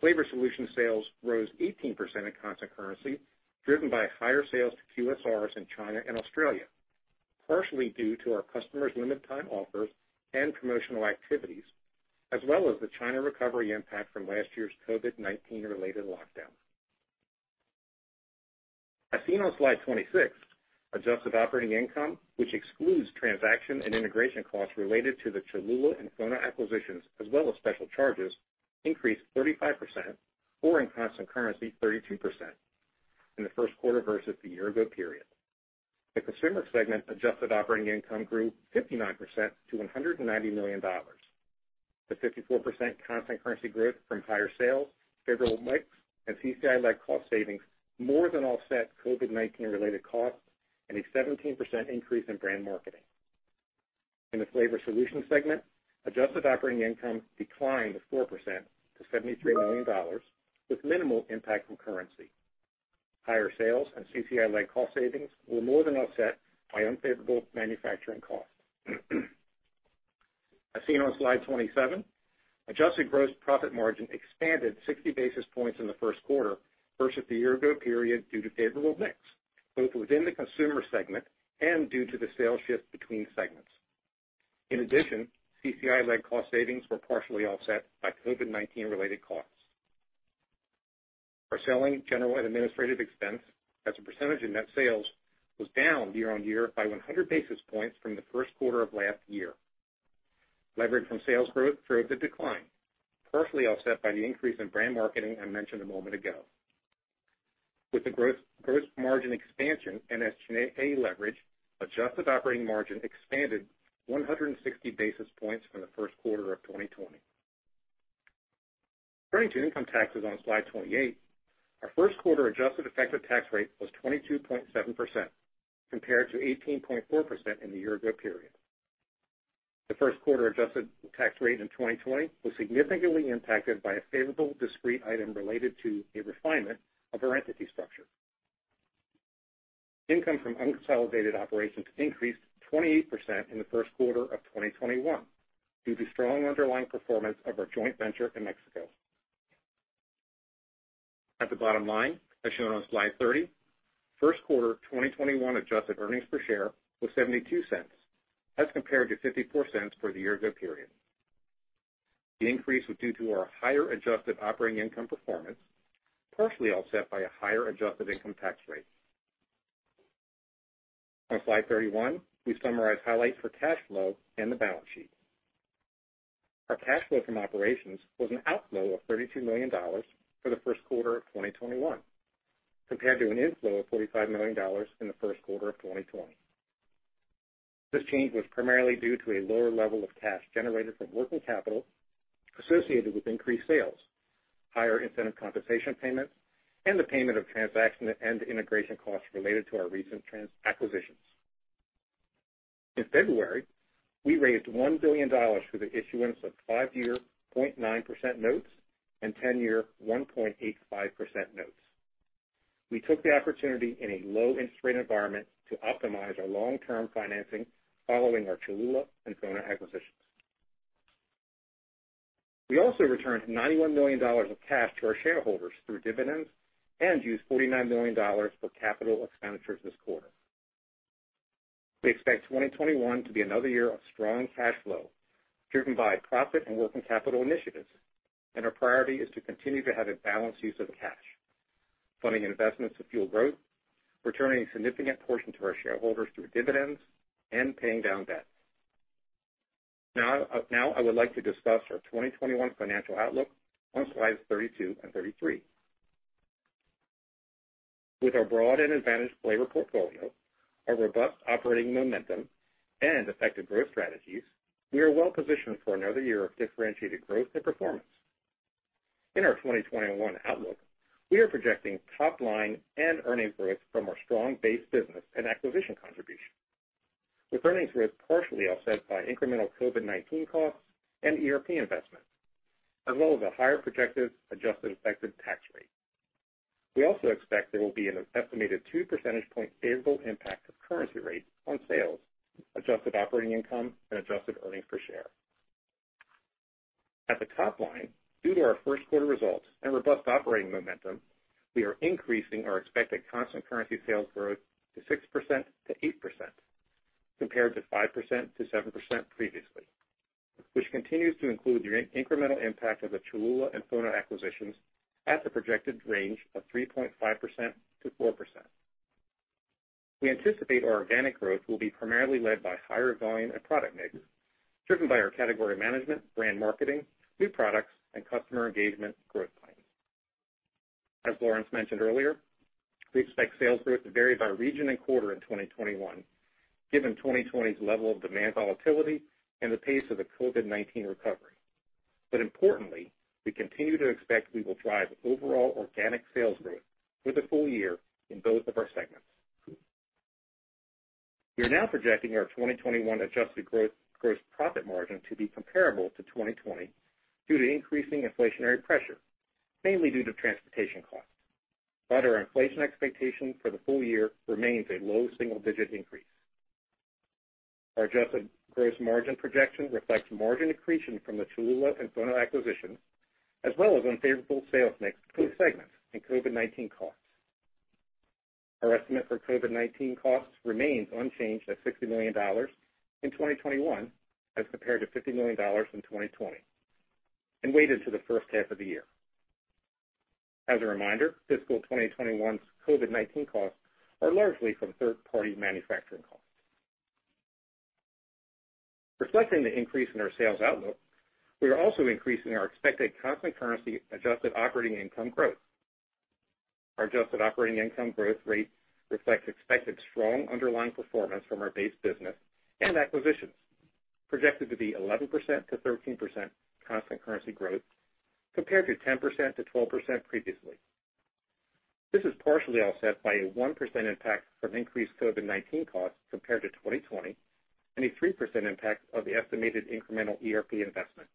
Flavor Solutions sales rose 18% in constant currency, driven by higher sales to QSRs in China and Australia, partially due to our customers' limited time offers and promotional activities, as well as the China recovery impact from last year's COVID-19 related lockdown. As seen on slide 26, adjusted operating income, which excludes transaction and integration costs related to the Cholula and FONA acquisitions, as well as special charges, increased 35%, or in constant currency, 32%, in the Q1 versus the year ago period. The Consumer segment adjusted operating income grew 59% to $190 million. The 54% constant currency growth from higher sales, favorable mix, and CCI-led cost savings more than offset COVID-19 related costs and a 17% increase in brand marketing. In the Flavor Solutions segment, adjusted operating income declined 4% to $73 million with minimal impact from currency. Higher sales and CCI-led cost savings were more than offset by unfavorable manufacturing costs. As seen on slide 27, adjusted gross profit margin expanded 60 basis points in the Q1 versus the year ago period due to favorable mix, both within the Consumer segment and due to the sales shift between segments. In addition, CCI-led cost savings were partially offset by COVID-19 related costs. Our selling, general, and administrative expense as a percentage of net sales was down year-on-year by 100 basis points from the Q1 of last year. Leverage from sales growth drove the decline, partially offset by the increase in brand marketing I mentioned a moment ago. With the gross margin expansion and SG&A leverage, adjusted operating margin expanded 160 basis points from the Q1 of 2020. Turning to income taxes on slide 28, our Q1 adjusted effective tax rate was 22.7% compared to 18.4% in the year ago period. The Q1 adjusted tax rate in 2020 was significantly impacted by a favorable discrete item related to a refinement of our entity structure. Income from unconsolidated operations increased 28% in the Q1 of 2021 due to strong underlying performance of our joint venture in Mexico. At the bottom line, as shown on slide 30, Q1 2021 adjusted earnings per share was $0.72 as compared to $0.54 for the year ago period. The increase was due to our higher adjusted operating income performance, partially offset by a higher adjusted income tax rate. On slide 31, we summarize highlights for cash flow and the balance sheet. Our cash flow from operations was an outflow of $32 million for the Q1 of 2021 compared to an inflow of $45 million in the Q1 of 2020. This change was primarily due to a lower level of cash generated from working capital associated with increased sales, higher incentive compensation payments, and the payment of transaction and integration costs related to our recent acquisitions. In February, we raised $1 billion through the issuance of five-year 0.9% notes and 10-year 1.85% notes. We took the opportunity in a low interest rate environment to optimize our long-term financing following our Cholula and FONA acquisitions. We also returned $91 million of cash to our shareholders through dividends and used $49 million for capital expenditures this quarter. We expect 2021 to be another year of strong cash flow driven by profit and working capital initiatives. Our priority is to continue to have a balanced use of cash, funding investments to fuel growth, returning a significant portion to our shareholders through dividends, and paying down debt. Now I would like to discuss our 2021 financial outlook on slides 32 and 33. With our broad and advantaged flavor portfolio, our robust operating momentum, and effective growth strategies, we are well positioned for another year of differentiated growth and performance. In our 2021 outlook, we are projecting top line and earnings growth from our strong base business and acquisition contribution. With earnings growth partially offset by incremental COVID-19 costs and ERP investments, as well as a higher projected adjusted effective tax rate. We also expect there will be an estimated two percentage point favorable impact of currency rates on sales, adjusted operating income, and adjusted earnings per share. At the top line, due to our Q1 results and robust operating momentum, we are increasing our expected constant currency sales growth to 6%-8%, compared to 5%-7% previously, which continues to include the incremental impact of the Cholula and FONA acquisitions at the projected range of 3.5%-4%. We anticipate our organic growth will be primarily led by higher volume and product mix, driven by our category management, brand marketing, new products, and customer engagement growth planning. As Lawrence mentioned earlier, we expect sales growth to vary by region and quarter in 2021, given 2020's level of demand volatility and the pace of the COVID-19 recovery. Importantly, we continue to expect we will drive overall organic sales growth for the full year in both of our segments. We are now projecting our 2021 adjusted growth gross profit margin to be comparable to 2020 due to increasing inflationary pressure, mainly due to transportation costs. Our inflation expectation for the full year remains a low single-digit increase. Our adjusted gross margin projection reflects margin accretion from the Cholula and FONA acquisitions, as well as unfavorable sales mix between segments and COVID-19 costs. Our estimate for COVID-19 costs remains unchanged at $60 million in 2021, as compared to $50 million in 2020, and weighted to the first half of the year. As a reminder, fiscal 2021's COVID-19 costs are largely from third-party manufacturing costs. Reflecting the increase in our sales outlook, we are also increasing our expected constant currency adjusted operating income growth. Our adjusted operating income growth rate reflects expected strong underlying performance from our base business and acquisitions, projected to be 11%-13% constant currency growth, compared to 10%-12% previously. This is partially offset by a 1% impact from increased COVID-19 costs compared to 2020, and a 3% impact of the estimated incremental ERP investment.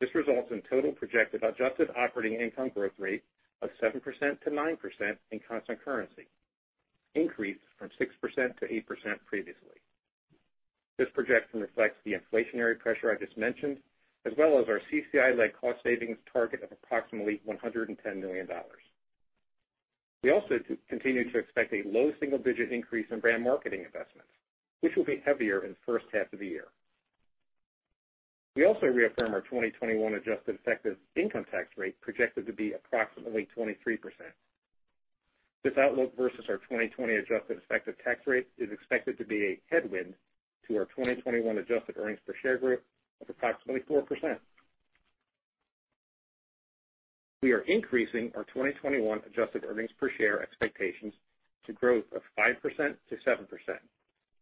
This results in total projected adjusted operating income growth rate of 7%-9% in constant currency, increased from 6%-8% previously. This projection reflects the inflationary pressure I just mentioned, as well as our CCI-led cost savings target of approximately $110 million. We also continue to expect a low single-digit increase in brand marketing investments, which will be heavier in the first half of the year. We also reaffirm our 2021 adjusted effective income tax rate projected to be approximately 23%. This outlook versus our 2020 adjusted effective tax rate is expected to be a headwind to our 2021 adjusted earnings per share growth of approximately 4%. We are increasing our 2021 adjusted earnings per share expectations to growth of 5%-7%,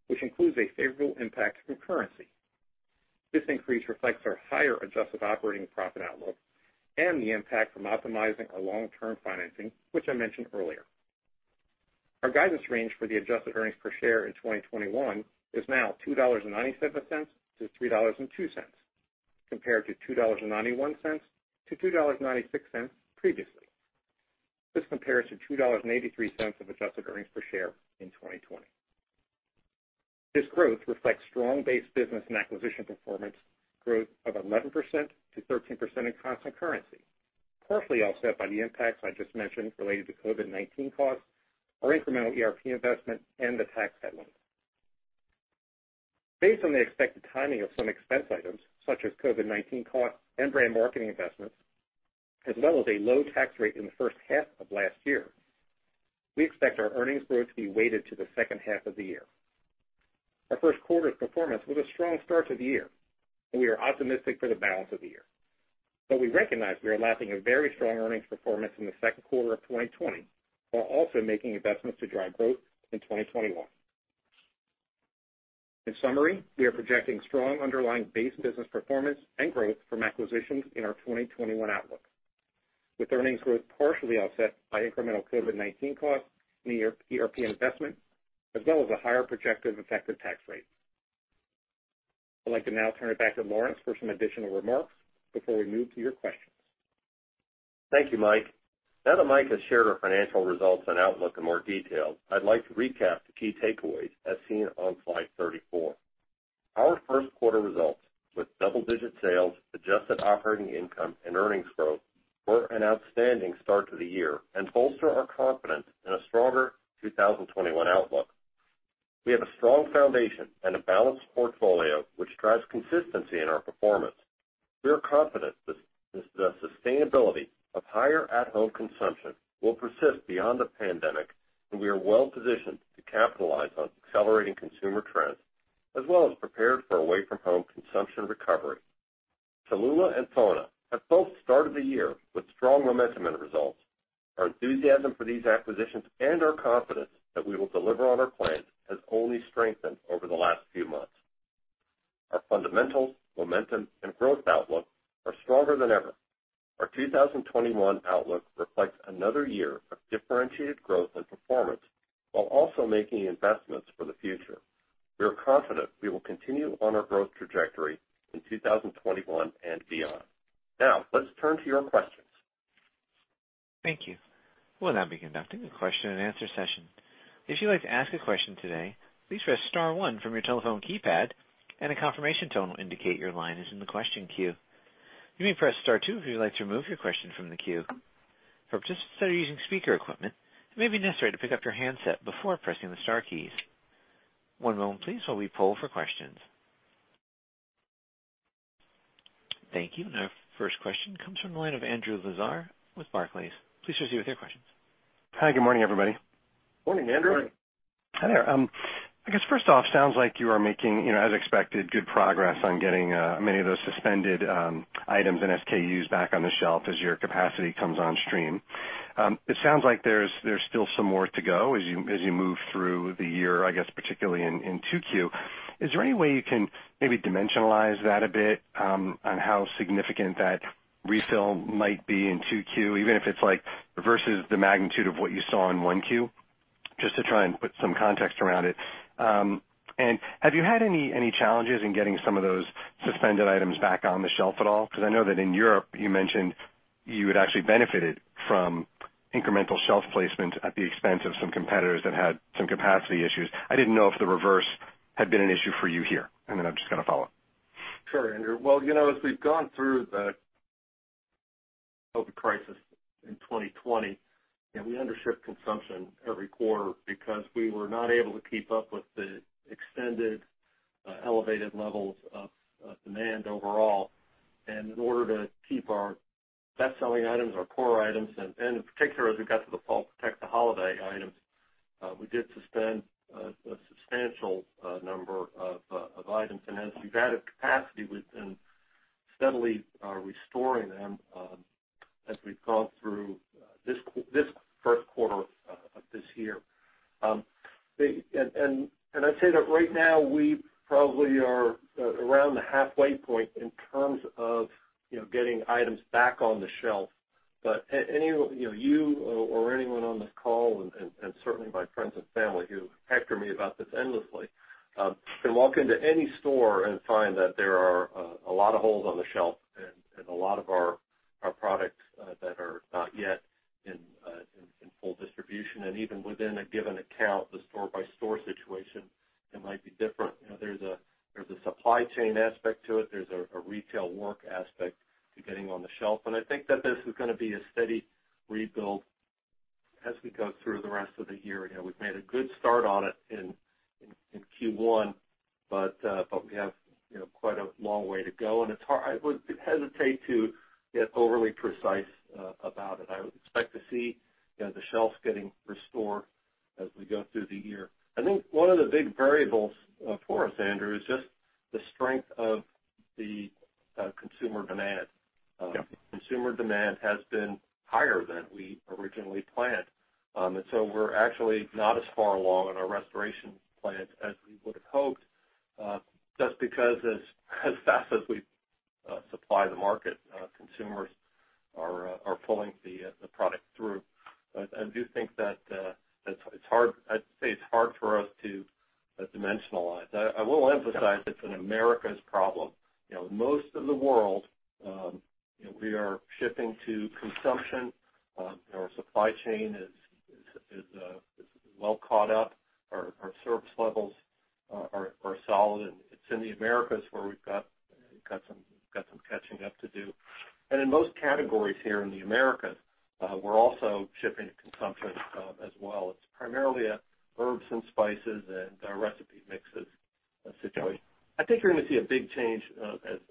which includes a favorable impact from currency. This increase reflects our higher adjusted operating profit outlook and the impact from optimizing our long-term financing, which I mentioned earlier. Our guidance range for the adjusted earnings per share in 2021 is now $2.97-$3.02, compared to $2.91-$2.96 previously. This compares to $2.83 of adjusted earnings per share in 2020. This growth reflects strong base business and acquisition performance growth of 11%-13% in constant currency, partially offset by the impacts I just mentioned related to COVID-19 costs, our incremental ERP investment, and the tax headwind. Based on the expected timing of some expense items, such as COVID-19 costs and brand marketing investments, as well as a low tax rate in the first half of last year, we expect our earnings growth to be weighted to the second half of the year. We recognize we are lapping a very strong earnings performance in the Q2 of 2020, while also making investments to drive growth in 2021. In summary, we are projecting strong underlying base business performance and growth from acquisitions in our 2021 outlook, with earnings growth partially offset by incremental COVID-19 costs and ERP investment, as well as a higher projected effective tax rate. I'd like to now turn it back to Lawrence for some additional remarks before we move to your questions. Thank you, Mike. Now that Mike has shared our financial results and outlook in more detail, I'd like to recap the key takeaways as seen on slide 34. Our Q1 results, with double-digit sales, adjusted operating income, and earnings growth were an outstanding start to the year and bolster our confidence in a stronger 2021 outlook. We have a strong foundation and a balanced portfolio, which drives consistency in our performance. We are confident the sustainability of higher at-home consumption will persist beyond the pandemic, and we are well-positioned to capitalize on accelerating consumer trends, as well as prepared for away-from-home consumption recovery. Cholula and FONA have both started the year with strong momentum and results. Our enthusiasm for these acquisitions and our confidence that we will deliver on our plan has only strengthened over the last few months. Our fundamentals, momentum, and growth outlook are stronger than ever. Our 2021 outlook reflects another year of differentiated growth and performance, while also making investments for the future. We are confident we will continue on our growth trajectory in 2021 and beyond. Let's turn to your questions. Thank you. We'll now be conducting a question-and-answer session. Thank you. Our first question comes from the line of Andrew Lazar with Barclays. Please proceed with your questions. Hi. Good morning, everybody. Morning, Andrew. Morning. Hi there. I guess first off, sounds like you are making, as expected, good progress on getting many of those suspended items and SKUs back on the shelf as your capacity comes on stream. It sounds like there's still some more to go as you move through the year, I guess particularly in Q2. Is there any way you can maybe dimensionalize that a bit on how significant that refill might be in Q2, even if it's like versus the magnitude of what you saw in Q1? Just to try and put some context around it. Have you had any challenges in getting some of those suspended items back on the shelf at all? I know that in Europe you mentioned you had actually benefited from incremental shelf placement at the expense of some competitors that had some capacity issues. I didn't know if the reverse had been an issue for you here. I'm just going to follow up. Sure, Andrew. Well, as we've gone through the COVID crisis in 2020, we undershipped consumption every quarter because we were not able to keep up with the extended, elevated levels of demand overall. In order to keep our best-selling items, our core items, and in particular, as we got to the fall protect the holiday items, we did suspend a substantial number of items. As we've added capacity, we've been steadily restoring them as we've gone through this Q1 of this year. I'd say that right now we probably are around the halfway point in terms of getting items back on the shelf. You or anyone on this call, and certainly my friends and family who heckle me about this endlessly, can walk into any store and find that there are a lot of holes on the shelf and a lot of our products that are not yet in full distribution. Even within a given account, the store-by-store situation, it might be different. There's a supply chain aspect to it. There's a retail work aspect to getting on the shelf. I think that this is going to be a steady rebuild as we go through the rest of the year. We've made a good start on it in Q1, but we have quite a long way to go. I would hesitate to get overly precise about it. I would expect to see the shelves getting restored as we go through the year. I think one of the big variables for us, Andrew, is just the strength of the consumer demand. Consumer demand has been higher than we originally planned. We're actually not as far along in our restoration plans as we would've hoped, just because as fast as we supply the market, consumers are pulling the product through. I do think that I'd say it's hard for us to dimensionalize. I will emphasize it's an Americas problem. Most of the world, we are shipping to consumption. Our supply chain is well caught up. Our service levels are solid, and it's in the Americas where we've got some catching up to do. In most categories here in the Americas, we're also shipping to consumption as well. It's primarily a herbs and spices and our recipe mixes situation. I think you're going to see a big change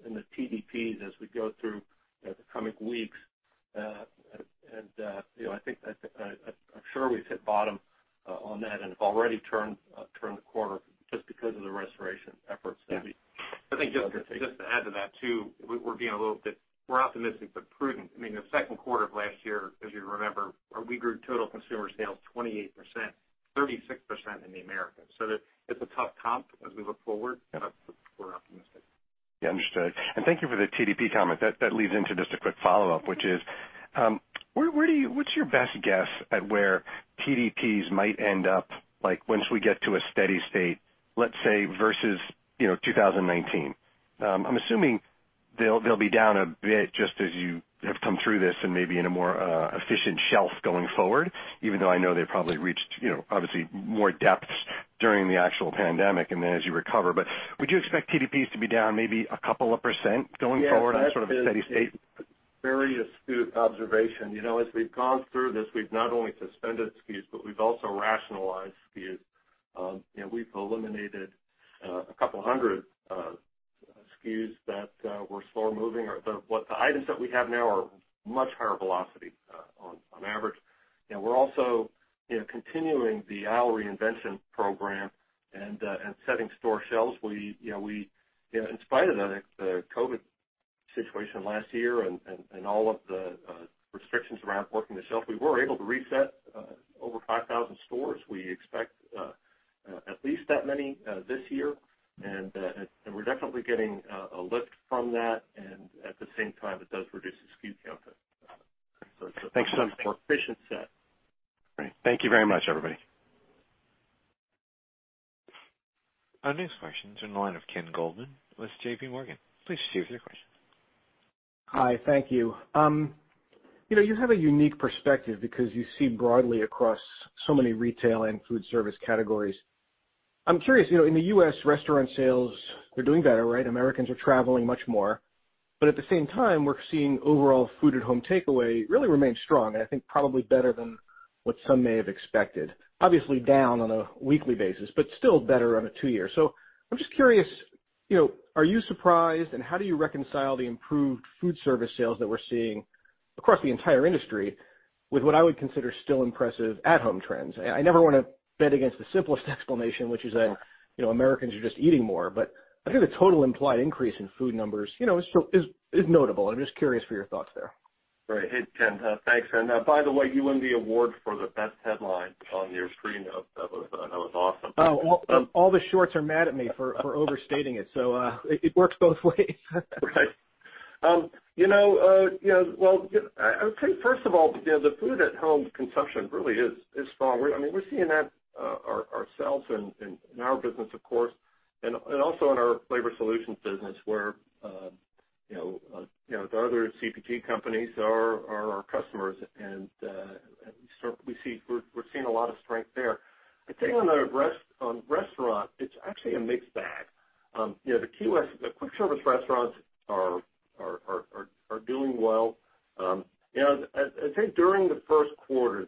in the TDPs as we go through the coming weeks. I'm sure we've hit bottom on that and have already turned the corner just because of the restoration efforts that. I think just to add to that, too, we're optimistic but prudent. I mean, the Q2 of last year, as you remember, we grew total consumer sales 28%, 36% in the Americas. It's a tough comp as we look forward. We're optimistic. Yeah. Understood. Thank you for the TDP comment. That leads into just a quick follow-up, which is, what's your best guess at where TDPs might end up, like once we get to a steady state, let's say, versus 2019? I'm assuming they'll be down a bit just as you have come through this and maybe in a more efficient shelf going forward, even though I know they probably reached obviously more depths during the actual pandemic, and then as you recover. Would you expect TDPs to be down maybe a couple of % going forward in sort of a steady state? Very astute observation. As we've gone through this, we've not only suspended SKUs, but we've also rationalized SKUs. We've eliminated a couple 100 SKUs that were slow moving. The items that we have now are much higher velocity on average. We're also continuing the aisle reinvention program and setting store shelves. In spite of the COVID-19 situation last year and all of the restrictions around working the shelf, we were able to reset over 5,000 stores. We expect at least that many this year, and we're definitely getting a lift from that, and at the same time, it does reduce the SKU count. It's a more efficient set. Great. Thank you very much, everybody. Our next question's on the line of Ken Goldman with JPMorgan. Please proceed with your question. Hi. Thank you. You have a unique perspective because you see broadly across so many retail and food service categories. I'm curious, in the U.S., restaurant sales are doing better, right? Americans are traveling much more. At the same time, we're seeing overall food at home takeaway really remain strong, and I think probably better than what some may have expected. Obviously down on a weekly basis, but still better on a two year. I'm just curious, are you surprised, and how do you reconcile the improved food service sales that we're seeing across the entire industry with what I would consider still impressive at-home trends? I never want to bet against the simplest explanation, which is that Americans are just eating more. I think the total implied increase in food numbers is notable, and I'm just curious for your thoughts there. Right. Hey, Ken. Thanks. By the way, you win the award for the best headline on your screen note. That was awesome. Oh, all the shorts are mad at me for overstating it, so it works both ways. Right. I would say, first of all, the food at home consumption really is strong. We're seeing that ourselves in our business, of course, and also in our flavor solutions business where the other CPG companies are our customers. We're seeing a lot of strength there. I tell you on restaurant, it's actually a mixed bag. The quick service restaurants are doing well. I'd say during the Q1,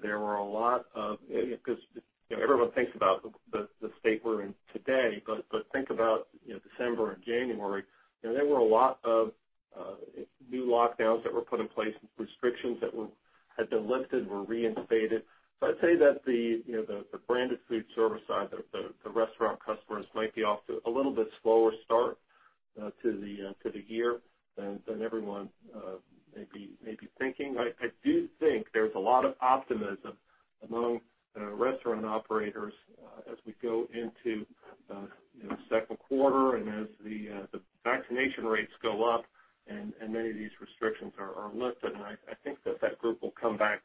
everyone thinks about the state we're in today, think about December and January. There were a lot of new lockdowns that were put in place and restrictions that had been lifted were reinstituted. I'd say that the branded food service side, the restaurant customers might be off to a little bit slower start to the year than everyone may be thinking. I do think there's a lot of optimism among restaurant operators as we go into the Q2and as the vaccination rates go up and many of these restrictions are lifted. I think that that group will come back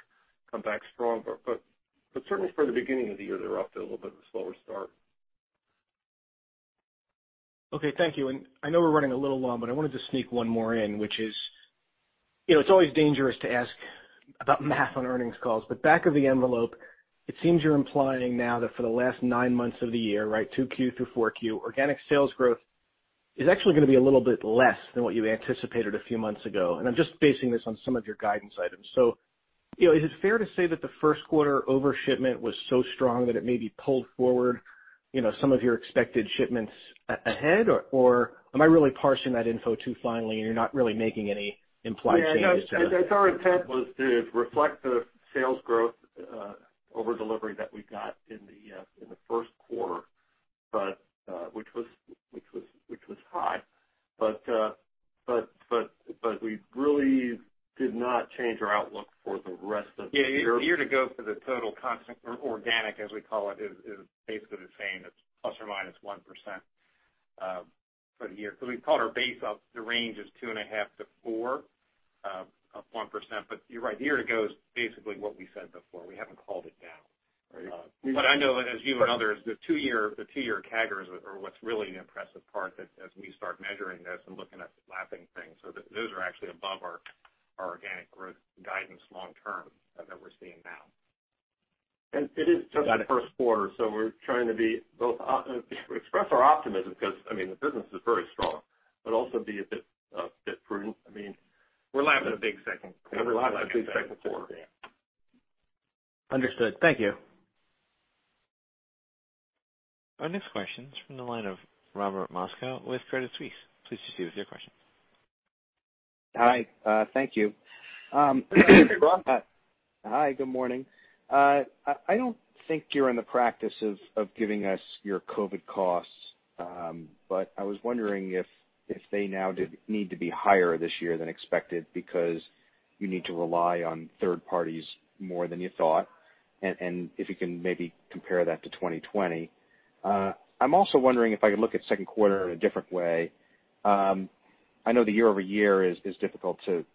stronger. Certainly for the beginning of the year, they're off to a little bit of a slower start. Okay, thank you. I know we're running a little long, I wanted to sneak one more in, which is, it's always dangerous to ask about math on earnings calls, Back of the envelope, it seems you're implying now that for the last nine months of the year, Q2 through Q4, organic sales growth is actually gonna be a little bit less than what you anticipated a few months ago. I'm just basing this on some of your guidance items. Is it fair to say that the Q1 over-shipment was so strong that it maybe pulled forward some of your expected shipments ahead, or am I really parsing that info too finely and you're not really making any implied changes to the? Our intent was to reflect the sales growth over-delivery that we got in the Q1, which was high. We really did not change our outlook for the rest of the year. Year to go for the total constant, or organic, as we call it, is basically the same. It's ±1% for the year. We called our base up. The range is two and a half to four of 1%. You're right, year to go is basically what we said before. We haven't called it down. I know, as you and others, the two-year CAGRs are what's really an impressive part that as we start measuring this and looking at the lapping things. Those are actually above our organic growth guidance long term that we're seeing now. It is just the Q1, so we're trying to express our optimism because the business is very strong, but also be a bit prudent. We're lapping a big Q2. We're lapping a big Q2. Understood. Thank you. Our next question's from the line of Robert Moskow with Credit Suisse. Please proceed with your question. Hi. Thank you. Hey, Rob. Hi, good morning. I don't think you're in the practice of giving us your COVID costs, but I was wondering if they now need to be higher this year than expected because you need to rely on third parties more than you thought, and if you can maybe compare that to 2020. I'm also wondering if I could look at Q2 in a different way. I know the year-over-year is difficult to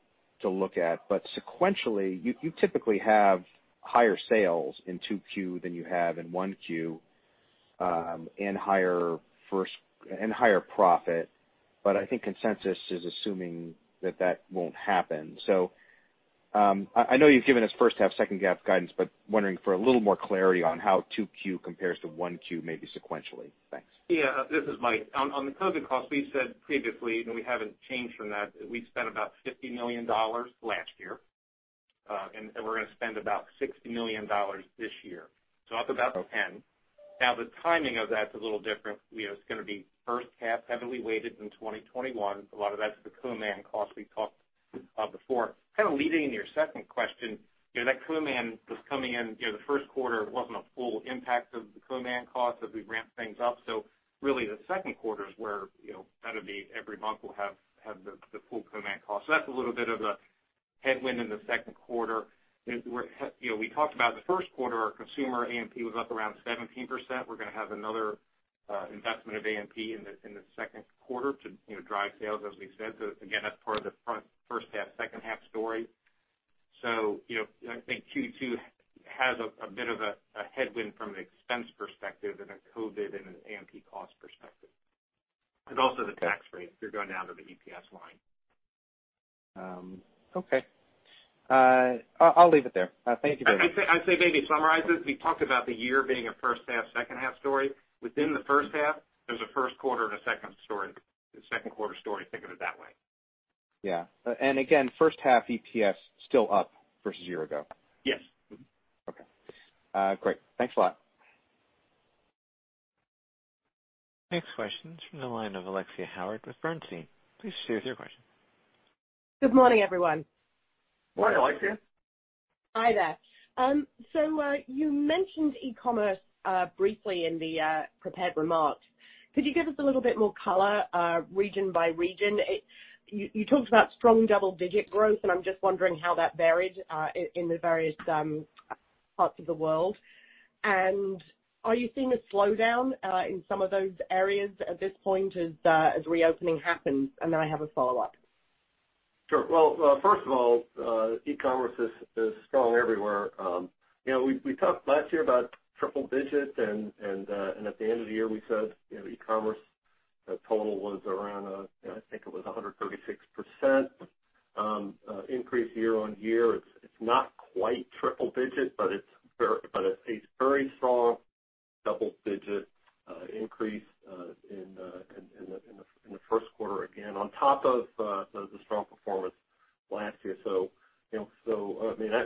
look at, but sequentially, you typically have higher sales in Q2 than you have in Q1, and higher profit. I think consensus is assuming that that won't happen. I know you've given us first half, second half guidance, but wondering for a little more clarity on how Q2 compares to Q1, maybe sequentially. Thanks. Yeah, this is Mike. On the COVID-19 costs, we said previously, we haven't changed from that we spent about $50 million last year, we're gonna spend about $60 million this year. Up about 10. The timing of that's a little different. It's gonna be first half heavily weighted in 2021. A lot of that's the co-man cost we talked about, before kind of leading into your second question. That co-man was coming in the Q1. It wasn't a full impact of the co-man cost as we ramp things up. Really, the Q2 is where every month we'll have the full co-man cost. That's a little bit of a headwind in the Q2. We talked about the Q1, our consumer A&P was up around 17%. We're going to have another investment of A&P in the Q2 to drive sales, as we said. Again, that's part of the front first half, second half story. I think Q2 has a bit of a headwind from an expense perspective and a COVID and an A&P cost perspective. Also the tax rate, if you're going down to the EPS line. Okay. I'll leave it there. Thank you very much. I'd say maybe summarize it. We talked about the year being a first half, second half story. Within the first half, there's a Q1 and a Q2 story. Think of it that way. Yeah. Again, first half EPS still up versus a year ago. Yes. Okay. Great. Thanks a lot. Next question is from the line of Alexia Howard with Bernstein. Please share your question. Good morning, everyone. Morning, Alexia. Hi there. You mentioned e-commerce briefly in the prepared remarks. Could you give us a little bit more color region by region? You talked about strong double-digit growth, and I'm just wondering how that varied in the various parts of the world. Are you seeing a slowdown in some of those areas at this point as reopening happens? I have a follow-up. Sure. Well, first of all, e-commerce is strong everywhere. We talked last year about triple digits and at the end of the year, we said e-commerce total was around, I think it was 136% increase year-on-year. It's not quite triple digits, but it's a very strong double-digit increase in the Q1, again, on top of the strong performance last year.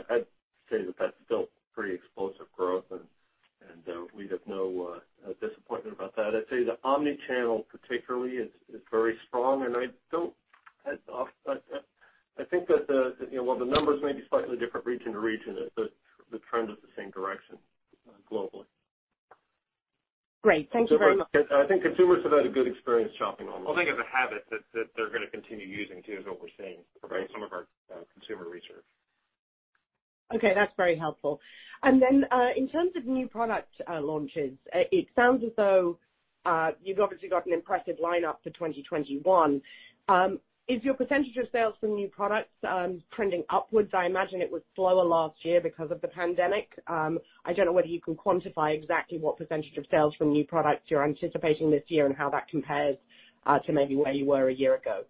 I'd say that that's still pretty explosive growth and we have no disappointment about that. I'd say the omni-channel particularly is very strong, and I think that the, while the numbers may be slightly different region to region, the trend is the same direction globally. Great. Thank you very much. I think consumers have had a good experience shopping online. I think it's a habit that they're going to continue using too, is what we're seeing in some of our consumer research. Okay, that's very helpful. In terms of new product launches, it sounds as though you've obviously got an impressive lineup for 2021. Is your % of sales from new products trending upwards? I imagine it was slower last year because of the pandemic. I don't know whether you can quantify exactly what % of sales from new products you're anticipating this year and how that compares to maybe where you were a year ago.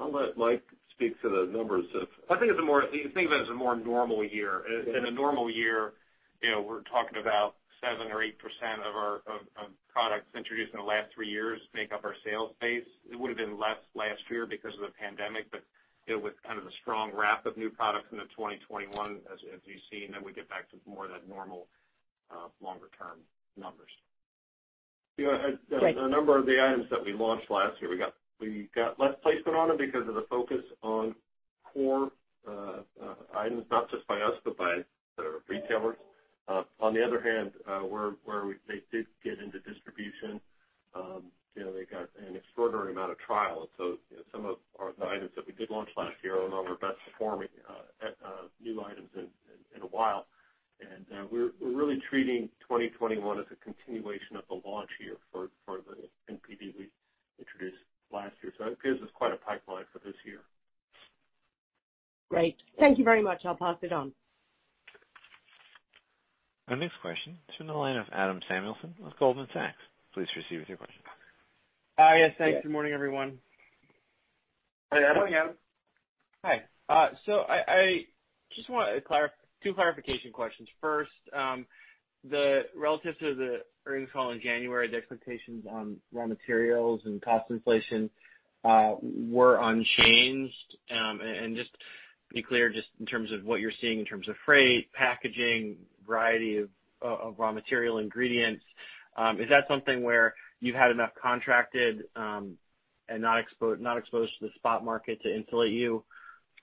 I'll let Mike speak to the numbers of. You can think of it as a more normal year. In a normal year, we're talking about 7% or 8% of products introduced in the last three years make up our sales base. It would've been less last year because of the pandemic, with kind of the strong wrap of new products into 2021, as you see, we get back to more of that normal longer-term numbers. Great. A number of the items that we launched last year, we got less placement on them because of the focus on core items, not just by us, but by the retailers. On the other hand, where they did get into distribution, they got an extraordinary amount of trial. Some of the items that we did launch last year are among our best performing new items in a while. We're really treating 2021 as a continuation of the launch year for the NPD we introduced last year. That gives us quite a pipeline for this year. Great. Thank you very much. I'll pass it on. Our next question is from the line of Adam Samuelson with Goldman Sachs. Please proceed with your question. Yes, thanks. Good morning, everyone. Hey, Adam. Morning, Adam. Hi. I just want two clarification questions. First, relative to the earnings call in January, the expectations on raw materials and cost inflation were unchanged. Just to be clear, just in terms of what you're seeing in terms of freight, packaging, variety of raw material ingredients, is that something where you've had enough contracted and not exposed to the spot market to insulate you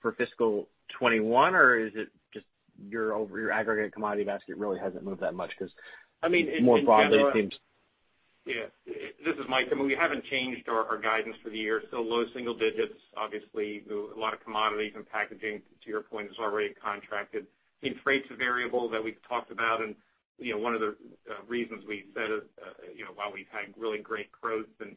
for fiscal 2021? Or is it just your aggregate commodity basket really hasn't moved that much? Yeah. This is Mike. I mean, we haven't changed our guidance for the year. Still low single digits. Obviously, a lot of commodities and packaging, to your point, is already contracted. I think freight's a variable that we've talked about and one of the reasons we said while we've had really great growth and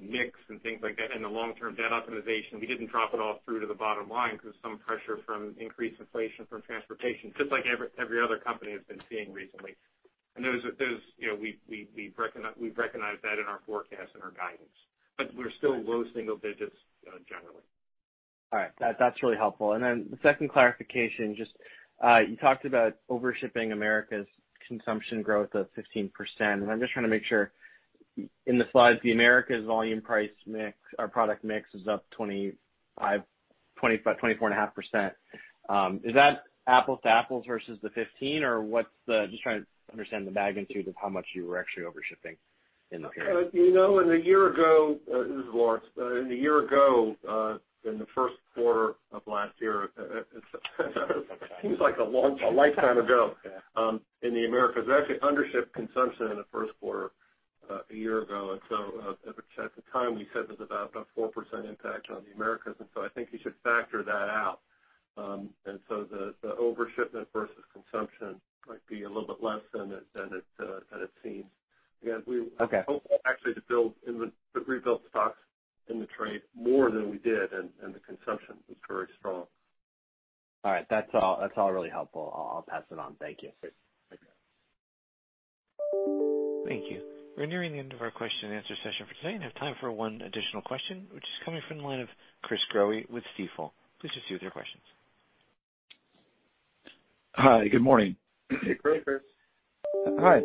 mix and things like that, and the long-term debt optimization, we didn't drop it all through to the bottom line because some pressure from increased inflation from transportation, just like every other company has been seeing recently. We've recognized that in our forecast and our guidance. We're still low single digits generally. All right. That's really helpful. The second clarification, just you talked about over-shipping Americas consumption growth of 15%, and I'm just trying to make sure, in the slides, the Americas volume price mix or product mix is up 24.5%. Is that apples to apples versus the 15%, or just trying to understand the magnitude of how much you were actually over-shipping. This is Lawrence. A year ago, in the Q1 of last year, it seems like a lifetime ago. In the Americas, there was actually undership consumption in the Q1 a year ago. At the time, we said there's about a 4% impact on the Americas, and so I think you should factor that out. The overshipment versus consumption might be a little bit less than it seems. Again, we hope actually to rebuild stocks in the trade more than we did, and the consumption was very strong. All right. That's all really helpful. I'll pass it on. Thank you. Great. Thank you. Thank you. We're nearing the end of our questionand-answer session for today and have time for one additional question, which is coming from the line of Chris Growe with Stifel. Please proceed with your questions. Hi, good morning. Hey, Chris. Hi.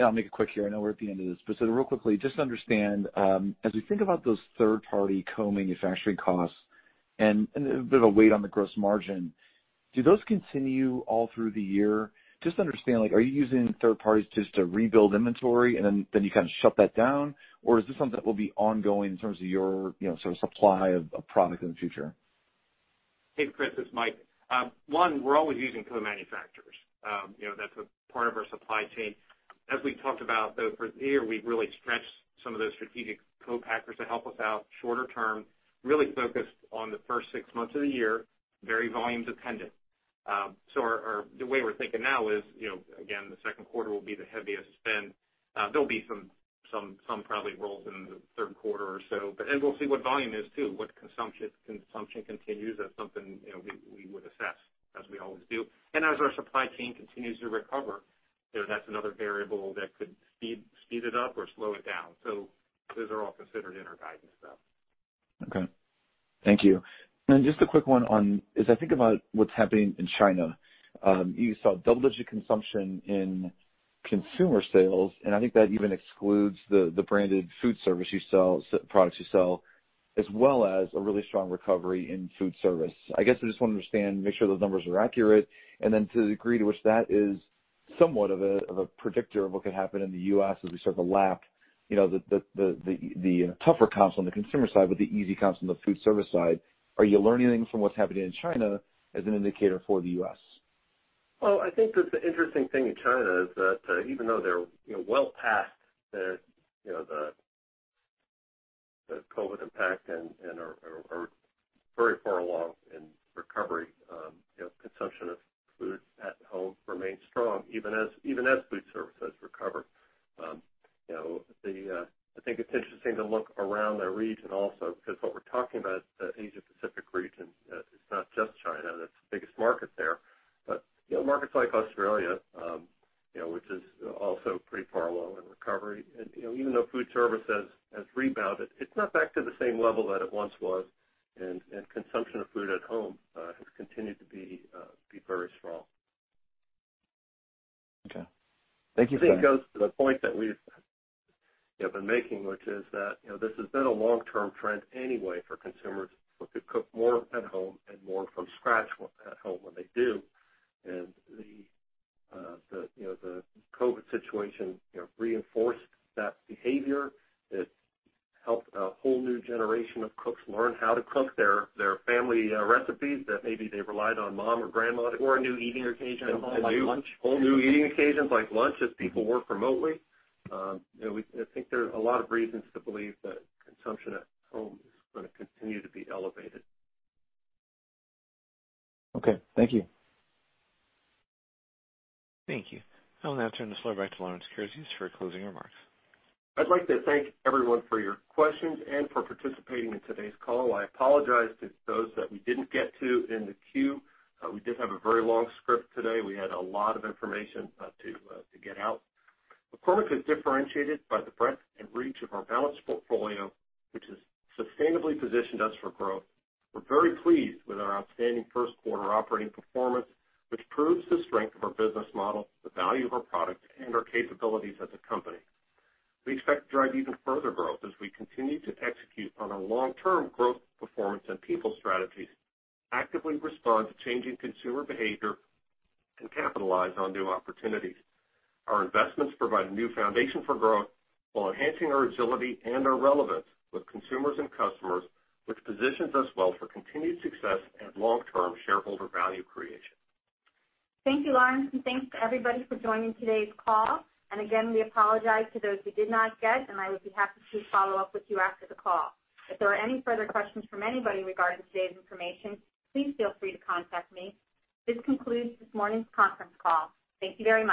I'll make it quick here. I know we're at the end of this. Real quickly, just to understand, as we think about those third-party co-manufacturing costs and a bit of a weight on the gross margin, do those continue all through the year? Just to understand, are you using third parties just to rebuild inventory and then you kind of shut that down? Or is this something that will be ongoing in terms of your sort of supply of product in the future? Hey, Chris. It's Mike. One, we're always using co-manufacturers. That's a part of our supply chain. As we talked about, though, for the year, we've really stretched some of those strategic co-packers to help us out shorter term, really focused on the first six months of the year, very volumes dependent. The way we're thinking now is, again, the Q2 will be the heaviest spend. There'll be some probably rolls into the Q3 or so, and we'll see what volume is too, what consumption continues. That's something we would assess, as we always do. As our supply chain continues to recover, that's another variable that could speed it up or slow it down. Those are all considered in our guidance though. Okay. Thank you. Just a quick one on, as I think about what's happening in China, you saw double-digit consumption in consumer sales, and I think that even excludes the branded food service products you sell, as well as a really strong recovery in food service. I guess I just want to understand, make sure those numbers are accurate, and then to the degree to which that is somewhat of a predictor of what could happen in the U.S. as we start to lap the tougher comps on the consumer side with the easy comps on the food service side. Are you learning anything from what's happening in China as an indicator for the U.S.? Well, I think that the interesting thing in China is that even though they're well past the COVID impact and are very far along in recovery, consumption of food at home remains strong, even as food service has recovered. I think it's interesting to look around the region also, because what we're talking about, the Asia Pacific region, it's not just China that's the biggest market there, but markets like Australia, which is also pretty far along in recovery. Even though food service has rebounded, it's not back to the same level that it once was, and consumption of food at home has continued to be very strong. Okay. Thank you. I think it goes to the point that we've been making, which is that this has been a long-term trend anyway for consumers to cook more at home and more from scratch at home when they do. The COVID situation reinforced that behavior. It helped a whole new generation of cooks learn how to cook their family recipes that maybe they relied on mom or grandma to cook. Whole new eating occasions like lunch as people work remotely. I think there's a lot of reasons to believe that consumption at home is going to continue to be elevated. Okay. Thank you. Thank you. I will now turn this floor back to Lawrence Kurzius for closing remarks. I'd like to thank everyone for your questions and for participating in today's call. I apologize to those that we didn't get to in the queue. We did have a very long script today. We had a lot of information to get out. McCormick is differentiated by the breadth and reach of our balanced portfolio, which has sustainably positioned us for growth. We're very pleased with our outstanding Q1 operating performance, which proves the strength of our business model, the value of our products, and our capabilities as a company. We expect to drive even further growth as we continue to execute on our long-term growth performance and people strategies, actively respond to changing consumer behavior, and capitalize on new opportunities. Our investments provide a new foundation for growth while enhancing our agility and our relevance with consumers and customers, which positions us well for continued success and long-term shareholder value creation. Thank you, Lawrence, and thanks to everybody for joining today's call. Again, we apologize to those we did not get, and I would be happy to follow up with you after the call. If there are any further questions from anybody regarding today's information, please feel free to contact me. This concludes this morning's conference call. Thank you very much.